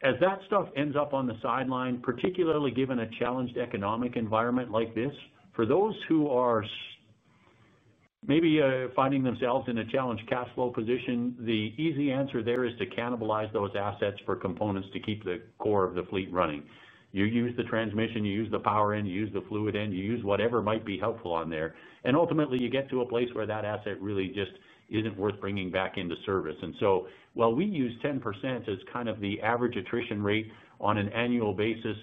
as that stuff ends up on the sideline, particularly given a challenged economic environment like this, for those who are maybe finding themselves in a challenged cash flow position, the easy answer there is to cannibalize those assets for components to keep the core of the fleet running. You use the transmission, you use the power end, you use the fluid end, you use whatever might be helpful on there. Ultimately, you get to a place where that asset really just isn't worth bringing back into service. While we use 10% as kind of the average attrition rate on an annual basis,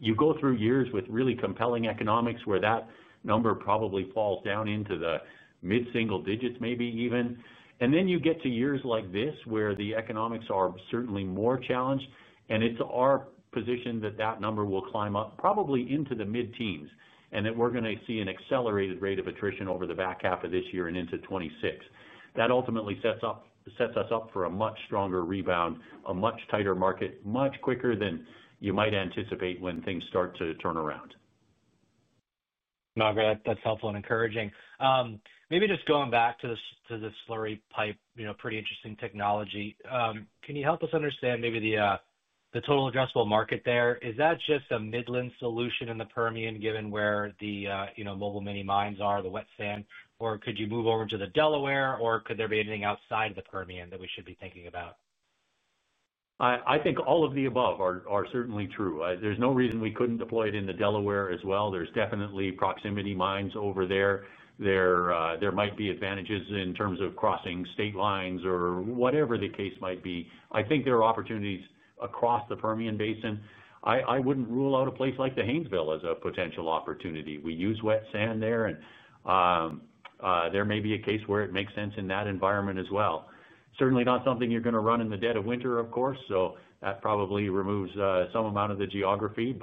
you go through years with really compelling economics where that number probably falls down into the mid-single digits, maybe even. You get to years like this where the economics are certainly more challenged. It's our position that that number will climb up probably into the mid-teens and that we're going to see an accelerated rate of attrition over the back half of this year and into 2026. That ultimately sets us up for a much stronger rebound, a much tighter market, much quicker than you might anticipate when things start to turn around. No, I agree that's helpful and encouraging. Maybe just going back to the slurry pipe, you know, pretty interesting technology. Can you help us understand maybe the total addressable market there? Is that just a Midland solution in the Permian, given where the, you know, mobile mini mines are, the wet sand? Or could you move over into the Delaware, or could there be anything outside of the Permian that we should be thinking about? I think all of the above are certainly true. There's no reason we couldn't deploy it in the Delaware as well. There's definitely proximity mines over there. There might be advantages in terms of crossing state lines or whatever the case might be. I think there are opportunities across the Permian Basin. I wouldn't rule out a place like the Haynesville as a potential opportunity. We use wet sand there, and there may be a case where it makes sense in that environment as well. Certainly not something you're going to run in the dead of winter, of course. That probably removes some amount of the geography.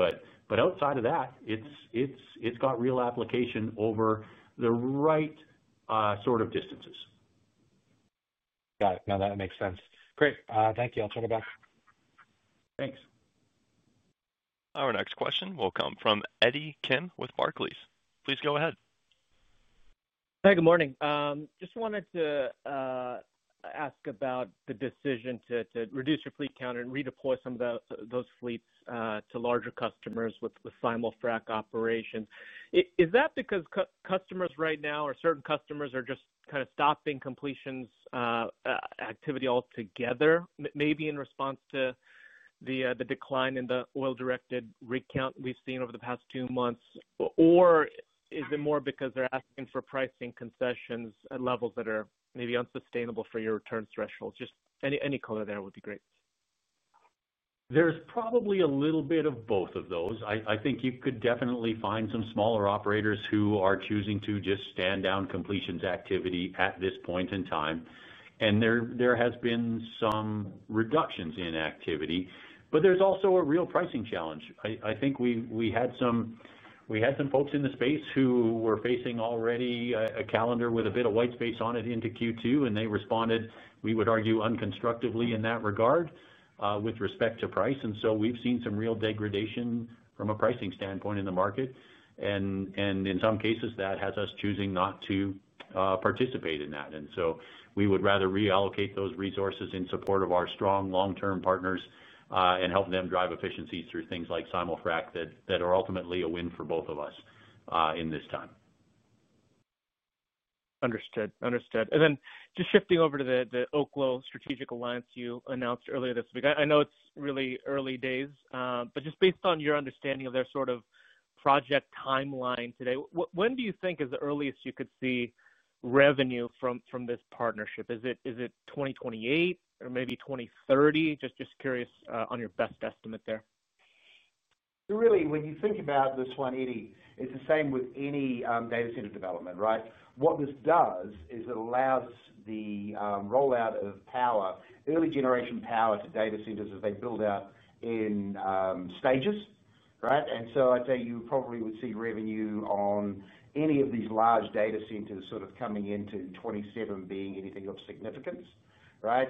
Outside of that, it's got real application over the right sort of distances. Got it. No, that makes sense. Great, thank you. I'll turn it back. Thanks. Our next question will come from Eddie Kim with Barclays. Please go ahead. Hey, good morning. Just wanted to ask about the decision to reduce your fleet count and redeploy some of those fleets to larger customers with simul-frac operations. Is that because customers right now, or certain customers are just kind of stopping completions activity altogether, maybe in response to the decline in the oil-directed rig count we've seen over the past two months? Is it more because they're asking for pricing concessions at levels that are maybe unsustainable for your return thresholds? Just any color there would be great. There's probably a little bit of both of those. I think you could definitely find some smaller operators who are choosing to just stand down completions activity at this point in time. There has been some reductions in activity. There's also a real pricing challenge. I think we had some folks in the space who were facing already a calendar with a bit of white space on it into Q2, and they responded, we would argue, unconstructively in that regard with respect to price. We've seen some real degradation from a pricing standpoint in the market. In some cases, that has us choosing not to participate in that. We would rather reallocate those resources in support of our strong long-term partners and help them drive efficiency through things like simul-frac that are ultimately a win for both of us in this time. Understood. Just shifting over to the Oklo Strategic Alliance you announced earlier this week. I know it's really early days, but just based on your understanding of their sort of project timeline today, when do you think is the earliest you could see revenue from this partnership? Is it 2028 or maybe 2030? Just curious on your best estimate there. Really, when you think about this 180, it's the same with any data center development, right? What this does is it allows the rollout of power, early generation power to data centers as they build out in stages, right? I'd say you probably would see revenue on any of these large data centers sort of coming into 2027 being anything of significance, right?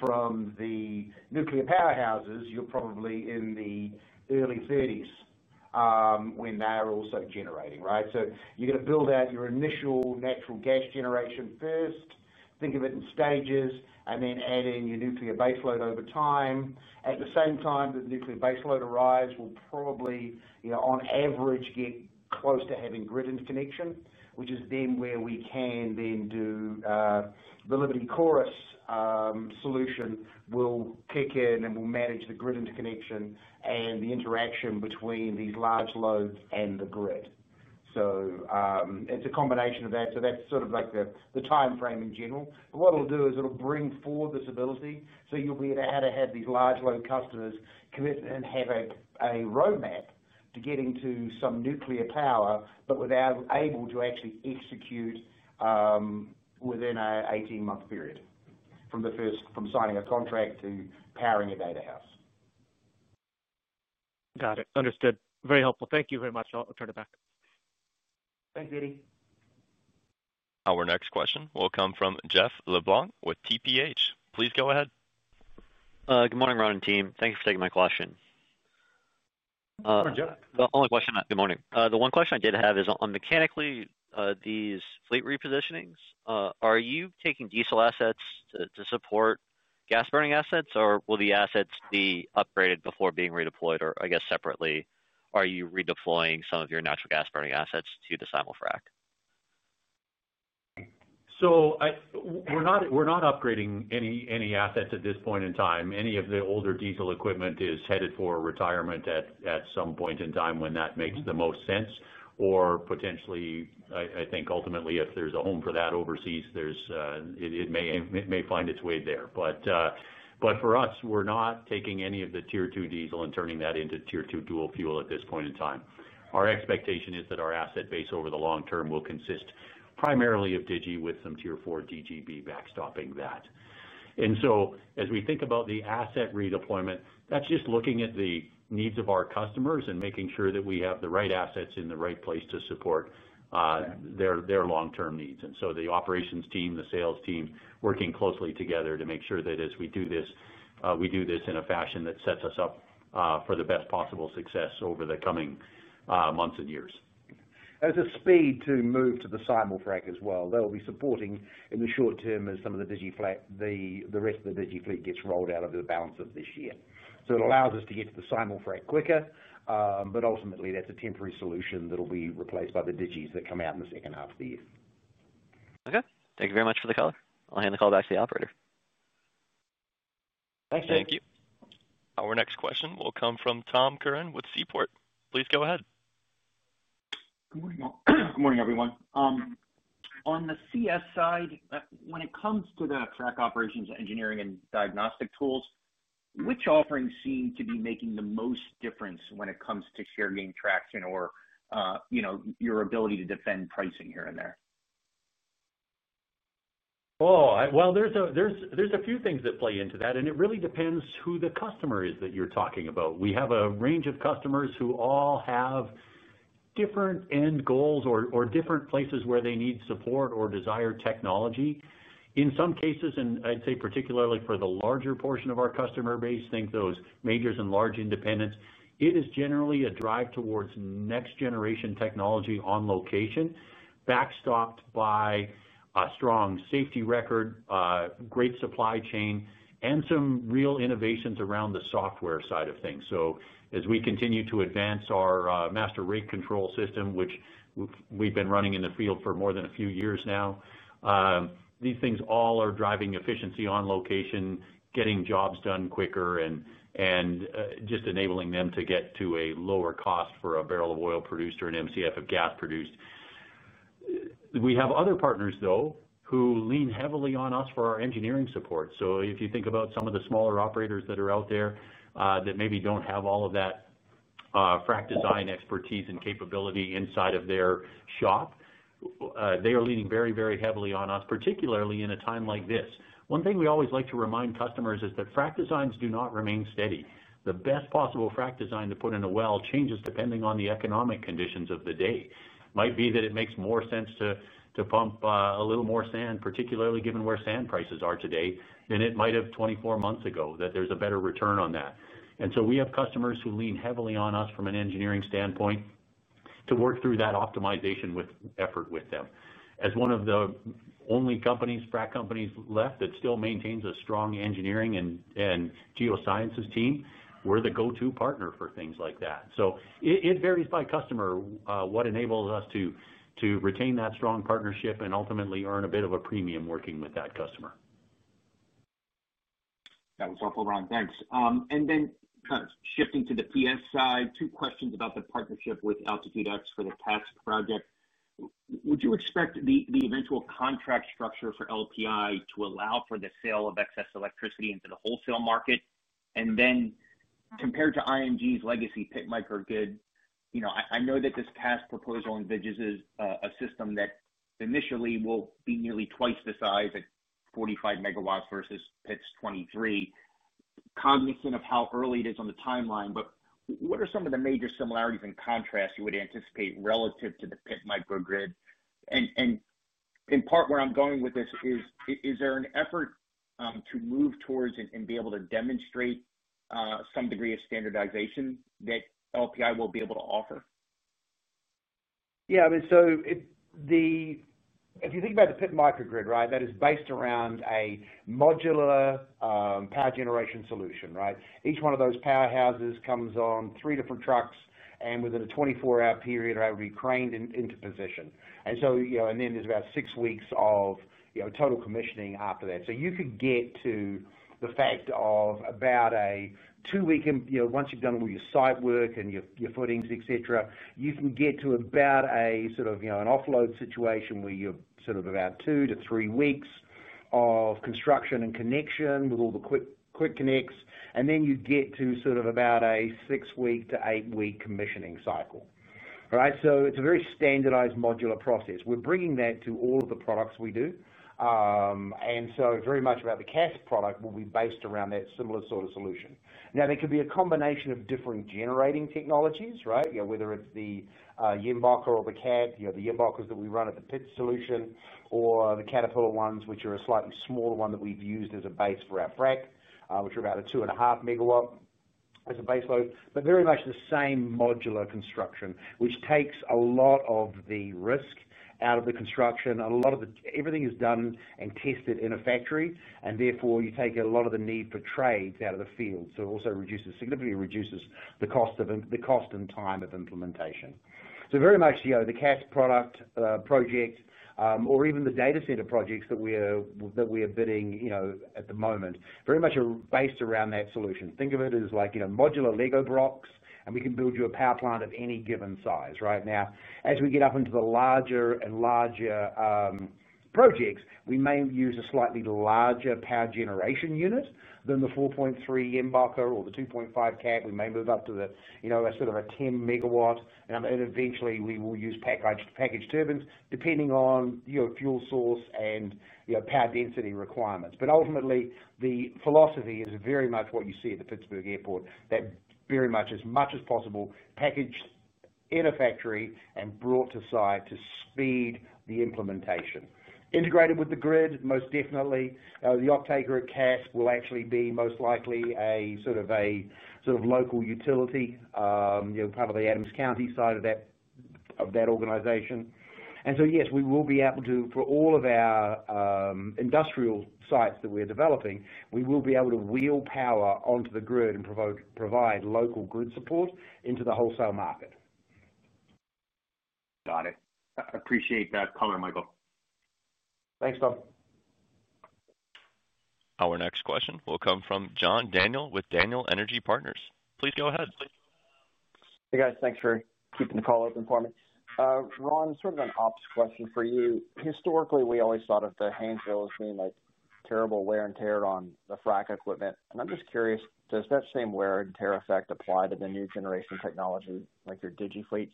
From the nuclear powerhouses, you're probably in the early 2030s when they are also generating, right? You're going to build out your initial natural gas generation first, think of it in stages, and then add in your nuclear baseload over time. At the same time the nuclear baseload arrives, we'll probably, you know, on average get close to having grid interconnection, which is then where we can do the Liberty Chorus solution, which will kick in and will manage the grid interconnection and the interaction between these large loads and the grid. It's a combination of that. That's sort of like the timeframe in general. What it'll do is it'll bring forward this ability. You'll be able to have these large load customers commit and have a roadmap to getting to some nuclear power, but without being able to actually execute within an 18-month period from signing a contract to powering a data house. Got it. Understood. Very helpful. Thank you very much. I'll turn it back. Thanks, Eddie. Our next question will come from Jeffrey LeBlanc with TPH. Please go ahead. Good morning, Ron and team. Thank you for taking my question. Good morning, Jeff. The one question I did have is on mechanically these fleet repositionings. Are you taking diesel assets to support gas burning assets, or will the assets be upgraded before being redeployed? I guess separately, are you redeploying some of your natural gas burning assets to the simul-frac? We're not upgrading any assets at this point in time. Any of the older diesel equipment is headed for retirement at some point in time when that makes the most sense. Potentially, I think ultimately if there's a home for that overseas, it may find its way there. For us, we're not taking any of the Tier 2 diesel and turning that into Tier 2 dual fuel at this point in time. Our expectation is that our asset base over the long term will consist primarily of Digi with some Tier 4 DGB backstopping that. As we think about the asset redeployment, that's just looking at the needs of our customers and making sure that we have the right assets in the right place to support their long-term needs. The operations team and the sales team are working closely together to make sure that as we do this, we do this in a fashion that sets us up for the best possible success over the coming months and years. As a speed to move to the simul-frac as well, that will be supporting in the short term as some of the risk of the DigiFleet gets rolled out over the balance of this year. It allows us to get to the simul-frac quicker, but ultimately that's a temporary solution that will be replaced by the Digis that come out in the second half of the year. Okay, thank you very much for the call. I'll hand the call back to the operator. Thanks, James. Thank you. Our next question will come from Thomas Curran with Seaport. Please go ahead. Good morning, everyone. On the CS side, when it comes to the track operations, engineering, and diagnostic tools, which offerings seem to be making the most difference when it comes to share gain traction or your ability to defend pricing here and there? There are a few things that play into that, and it really depends who the customer is that you're talking about. We have a range of customers who all have different end goals or different places where they need support or desire technology. In some cases, and I'd say particularly for the larger portion of our customer base, think those majors and large independents, it is generally a drive towards next-generation technology on location, backstopped by a strong safety record, great supply chain, and some real innovations around the software side of things. As we continue to advance our master rate control system, which we've been running in the field for more than a few years now, these things all are driving efficiency on location, getting jobs done quicker, and just enabling them to get to a lower cost for a barrel of oil produced or an MCF of gas produced. We have other partners, though, who lean heavily on us for our engineering support. If you think about some of the smaller operators that are out there that maybe don't have all of that frac design expertise and capability inside of their shop, they are leaning very, very heavily on us, particularly in a time like this. One thing we always like to remind customers is that frac designs do not remain steady. The best possible frac design to put in a well changes depending on the economic conditions of the day. It might be that it makes more sense to pump a little more sand, particularly given where sand prices are today, than it might have 24 months ago, that there's a better return on that. We have customers who lean heavily on us from an engineering standpoint to work through that optimization effort with them. As one of the only frac companies left that still maintains a strong engineering and geosciences team, we're the go-to partner for things like that. It varies by customer what enables us to retain that strong partnership and ultimately earn a bit of a premium working with that customer. That was helpful, Ron. Thanks. Shifting to the PS side, two questions about the partnership with AltitudeX for the Pax project. Would you expect the eventual contract structure for LPI to allow for the sale of excess electricity into the wholesale market? Compared to ING's legacy Pitt Microgrid, I know that this Pax proposal envisages a system that initially will be nearly twice the size at 45 MW versus Pitt's 23, cognizant of how early it is on the timeline, but what are some of the major similarities and contrasts you would anticipate relative to the Pitt Microgrid? In part, where I'm going with this is, is there an effort to move towards and be able to demonstrate some degree of standardization that LPI will be able to offer? Yeah, I mean, if you think about the Pitt Microgrid, that is based around a modular power generation solution. Each one of those powerhouses comes on three different trucks, and within a 24-hour period, they're able to be craned into position. There's about six weeks of total commissioning after that. You could get to the fact of about a two-week, once you've done all your site work and your footings, etc., you can get to about a sort of offload situation where you're about two to three weeks of construction and connection with all the quick connects, and then you get to about a six-week to eight-week commissioning cycle. It's a very standardized modular process. We're bringing that to all of the products we do. Very much, the CAS product will be based around that similar sort of solution. There could be a combination of different generating technologies, whether it's the [Yenboker] or the CAD, the [Yenbokers] that we run at the PIT solution, or the Caterpillar ones, which are a slightly smaller one that we've used as a base for our frac, which are about a 2.5 MW as a baseload, but very much the same modular construction, which takes a lot of the risk out of the construction. Everything is done and tested in a factory, and therefore you take a lot of the need for trades out of the field. It also significantly reduces the cost and time of implementation. Very much, the CAS product project, or even the data center projects that we are bidding at the moment, are based around that solution. Think of it as like, you know, modular Lego blocks, and we can build you a power plant of any given size, right? As we get up into the larger and larger projects, we may use a slightly larger power generation unit than the 4.3 [Yenboker] or the 2.5 CAD. We may move up to, you know, a sort of a 10 MW, and eventually we will use packaged turbines depending on, you know, fuel source and, you know, power density requirements. Ultimately, the philosophy is very much what you see at the Pittsburgh Airport, that very much, as much as possible, packaged in a factory and brought to site to speed the implementation. Integrated with the grid, most definitely, the uptaker at CAS will actually be most likely a sort of local utility, you know, part of the Adams County side of that organization. Yes, we will be able to, for all of our industrial sites that we're developing, we will be able to wheel power onto the grid and provide local grid support into the wholesale market. Got it. Appreciate that comment, Michael. Thanks, Tom. Our next question will come from John Daniel with Daniel Energy Partners. Please go ahead. Hey guys, thanks for keeping the call open for me. Ron, sort of an ops question for you. Historically, we always thought of the Hainesville as being like terrible wear and tear on the frac equipment. I'm just curious, does that same wear and tear effect apply to the new generation technology, like your DigiFleet?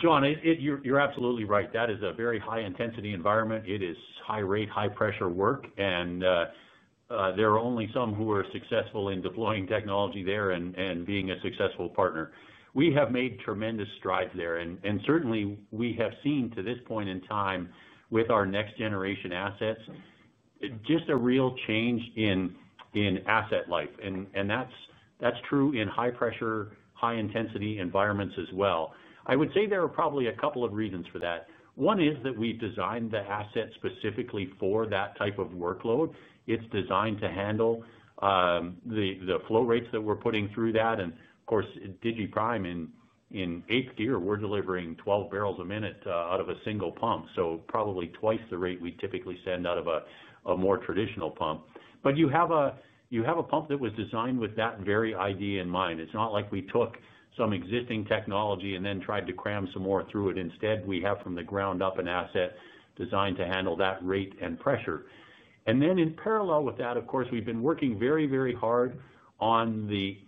John, you're absolutely right. That is a very high-intensity environment. It is high-rate, high-pressure work, and there are only some who are successful in deploying technology there and being a successful partner. We have made tremendous strides there, and certainly we have seen to this point in time with our next-generation assets just a real change in asset life. That is true in high-pressure, high-intensity environments as well. I would say there are probably a couple of reasons for that. One is that we've designed the asset specifically for that type of workload. It's designed to handle the flow rates that we're putting through that. Of course, DigiPrime in eighth gear, we're delivering 12 barrels a minute out of a single pump, probably twice the rate we typically send out of a more traditional pump. You have a pump that was designed with that very idea in mind. It's not like we took some existing technology and then tried to cram some more through it. Instead, we have from the ground up an asset designed to handle that rate and pressure. In parallel with that, of course, we've been working very, very hard on the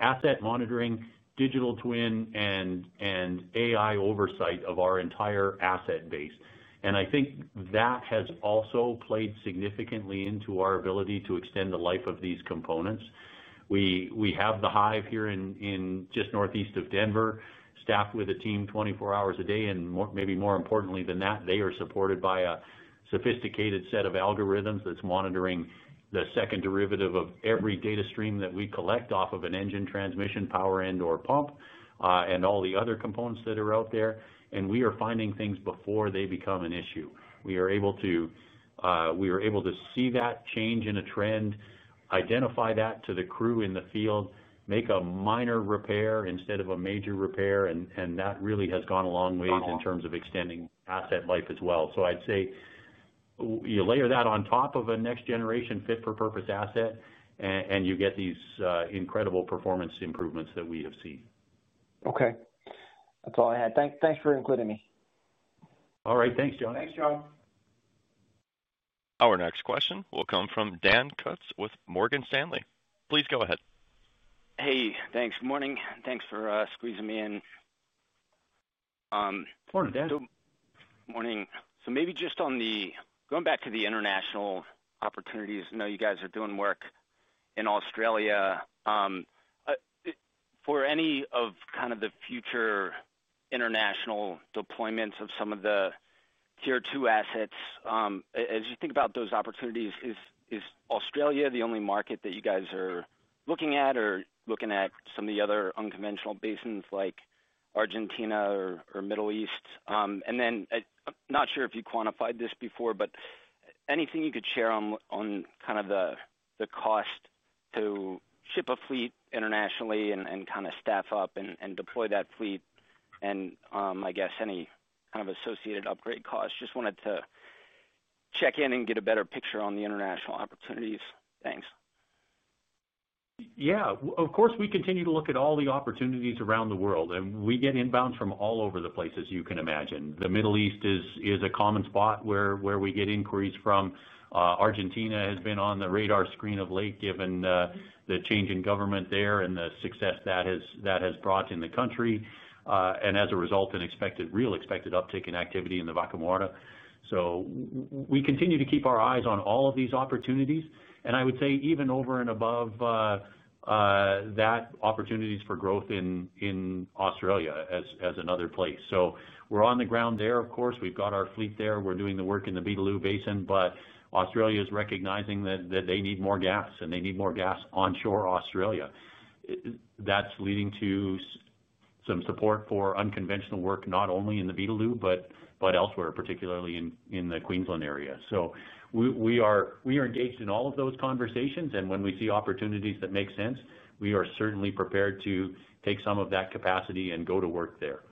asset monitoring, digital twin, and AI oversight of our entire asset base. I think that has also played significantly into our ability to extend the life of these components. We have the hive here in just northeast of Denver, staffed with a team 24 hours a day. Maybe more importantly than that, they are supported by a sophisticated set of algorithms that's monitoring the second derivative of every data stream that we collect off of an engine, transmission, power end, or pump and all the other components that are out there. We are finding things before they become an issue. We are able to see that change in a trend, identify that to the crew in the field, make a minor repair instead of a major repair, and that really has gone a long way in terms of extending asset life as well. I'd say you layer that on top of a next-generation fit-for-purpose asset, and you get these incredible performance improvements that we have seen. Okay, that's all I had. Thanks for including me. All right. Thanks, John. Thanks, John. Our next question will come from Dan Kutz with Morgan Stanley. Please go ahead. Hey, thanks. Morning. Thanks for squeezing me in. Morning, Dan. Morning. Maybe just on going back to the international opportunities, I know you guys are doing work in Australia. For any of the future international deployments of some of the Tier 2 assets, as you think about those opportunities, is Australia the only market that you guys are looking at or are you looking at some of the other unconventional basins like Argentina or Middle East? I'm not sure if you quantified this before, but anything you could share on the cost to ship a fleet internationally and staff up and deploy that fleet, and any associated upgrade costs? Just wanted to check in and get a better picture on the international opportunities. Thanks. Yeah, of course, we continue to look at all the opportunities around the world, and we get inbounds from all over the places you can imagine. The Middle East is a common spot where we get inquiries from. Argentina has been on the radar screen of late, given the change in government there and the success that has brought in the country. As a result, an expected real expected uptick in activity in the [Bacamara.] We continue to keep our eyes on all of these opportunities. I would say even over and above that, opportunities for growth in Australia as another place. We're on the ground there, of course. We've got our fleet there. We're doing the work in the Beetaloo Basin, but Australia is recognizing that they need more gas, and they need more gas onshore Australia. That's leading to some support for unconventional work not only in the Beetaloo, but elsewhere, particularly in the Queensland area. We are engaged in all of those conversations, and when we see opportunities that make sense, we are certainly prepared to take some of that capacity and go to work there.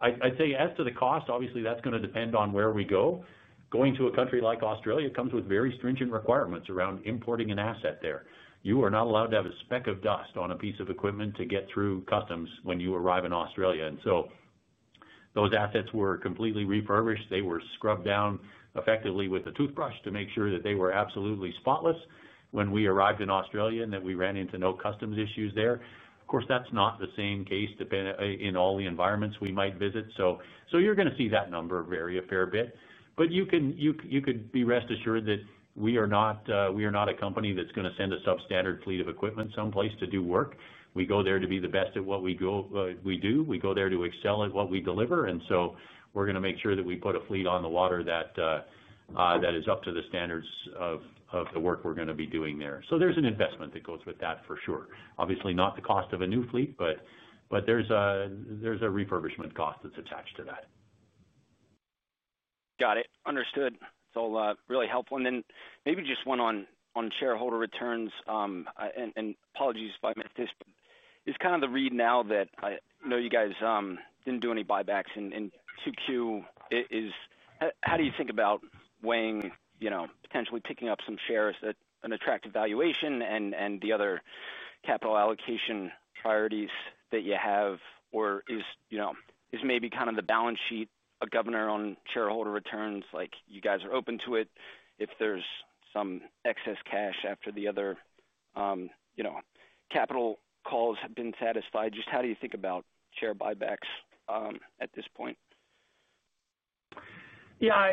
I'd say as to the cost, obviously, that's going to depend on where we go. Going to a country like Australia comes with very stringent requirements around importing an asset there. You are not allowed to have a speck of dust on a piece of equipment to get through customs when you arrive in Australia. Those assets were completely refurbished. They were scrubbed down effectively with a toothbrush to make sure that they were absolutely spotless when we arrived in Australia and that we ran into no customs issues there. Of course, that's not the same case in all the environments we might visit. You're going to see that number vary a fair bit. You could be rest assured that we are not a company that's going to send a substandard fleet of equipment someplace to do work. We go there to be the best at what we do. We go there to excel at what we deliver. We're going to make sure that we put a fleet on the water that is up to the standards of the work we're going to be doing there. There's an investment that goes with that for sure. Obviously, not the cost of a new fleet, but there's a refurbishment cost that's attached to that. Got it. Understood. It's all really helpful. Maybe just one on shareholder returns. Apologies if I missed this, but is kind of the read now that I know you guys didn't do any buybacks in 2Q. How do you think about weighing, you know, potentially picking up some shares at an attractive valuation and the other capital allocation priorities that you have, or is maybe kind of the balance sheet. Governor on shareholder returns, you guys are open to it if there's some excess cash after the other capital calls have been satisfied. Just how do you think about share buybacks at this point? Yeah,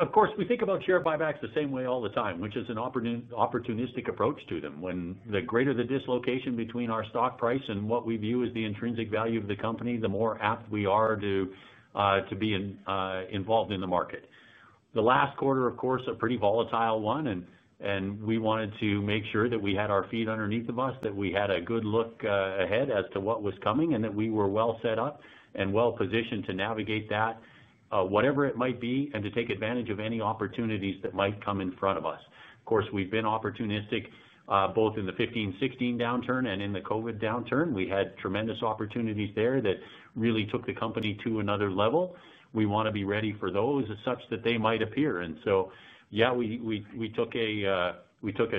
of course, we think about share buybacks the same way all the time, which is an opportunistic approach to them. When the greater the dislocation between our stock price and what we view as the intrinsic value of the company, the more apt we are to be involved in the market. The last quarter, of course, a pretty volatile one, and we wanted to make sure that we had our feet underneath us, that we had a good look ahead as to what was coming, and that we were well set up and well positioned to navigate that, whatever it might be, and to take advantage of any opportunities that might come in front of us. Of course, we've been opportunistic, both in the 2015, 2016 downturn and in the COVID downturn. We had tremendous opportunities there that really took the company to another level. We want to be ready for those as such that they might appear. Yeah, we took a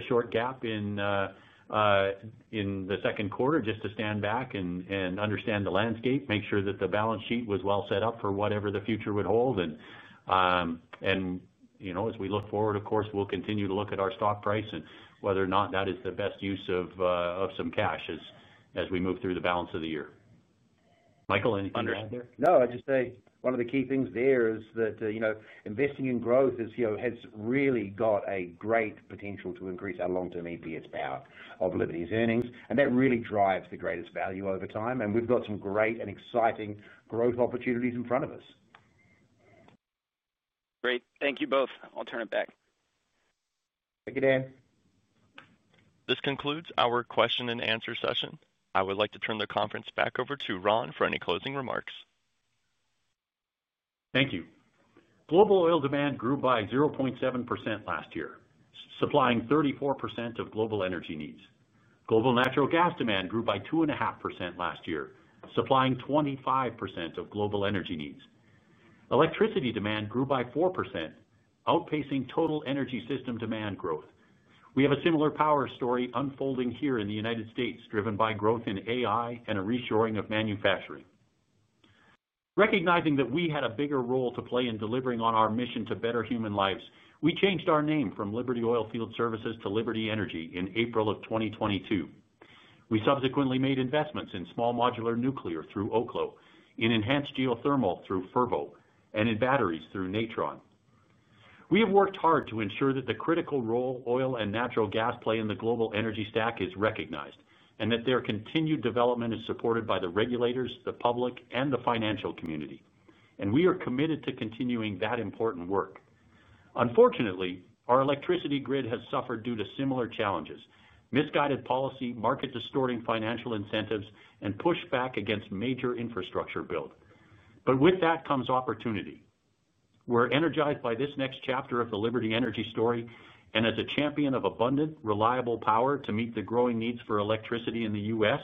short gap in the second quarter just to stand back and understand the landscape, make sure that the balance sheet was well set up for whatever the future would hold. You know, as we look forward, of course, we'll continue to look at our stock price and whether or not that is the best use of some cash as we move through the balance of the year. Michael, anything to add there? I'd just say one of the key things there is that, you know, investing in growth has really got a great potential to increase our long-term EPS power of Liberty's earnings. That really drives the greatest value over time, and we've got some great and exciting growth opportunities in front of us. Great. Thank you both. I'll turn it back. Thank you, Dan. This concludes our question-and-answer session. I would like to turn the conference back over to Ron for any closing remarks. Thank you. Globalo oil demand grew by 0.7% last year, supplying 34% of global energy needs. Global natural gas demand grew by 2.5% last year, supplying 25% of global energy needs. Electricity demand grew by 4%, outpacing total energy system demand growth. We have a similar power story unfolding here in the United States, driven by growth in AI and a reshoring of manufacturing. Recognizing that we had a bigger role to play in delivering on our mission to better human lives, we changed our name from Liberty Oilfield Services to Liberty Energy in April of 2022. We subsequently made investments in small modular nuclear through Oklo, in enhanced geothermal through Fervo, and in batteries through Natron. We have worked hard to ensure that the critical role oil and natural gas play in the global energy stack is recognized, and that their continued development is supported by the regulators, the public, and the financial community. We are committed to continuing that important work. Unfortunately, our electricity grid has suffered due to similar challenges: misguided policy, market-distorting financial incentives, and pushback against major infrastructure build. With that comes opportunity. We're energized by this next chapter of the Liberty Energy story, as a champion of abundant, reliable power to meet the growing needs for electricity in the U.S.,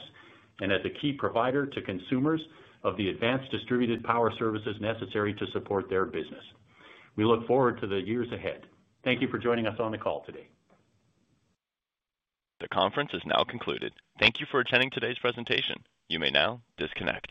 and as a key provider to consumers of the advanced distributed power services necessary to support their business. We look forward to the years ahead. Thank you for joining us on the call today. The conference is now concluded. Thank you for attending today's presentation. You may now disconnect.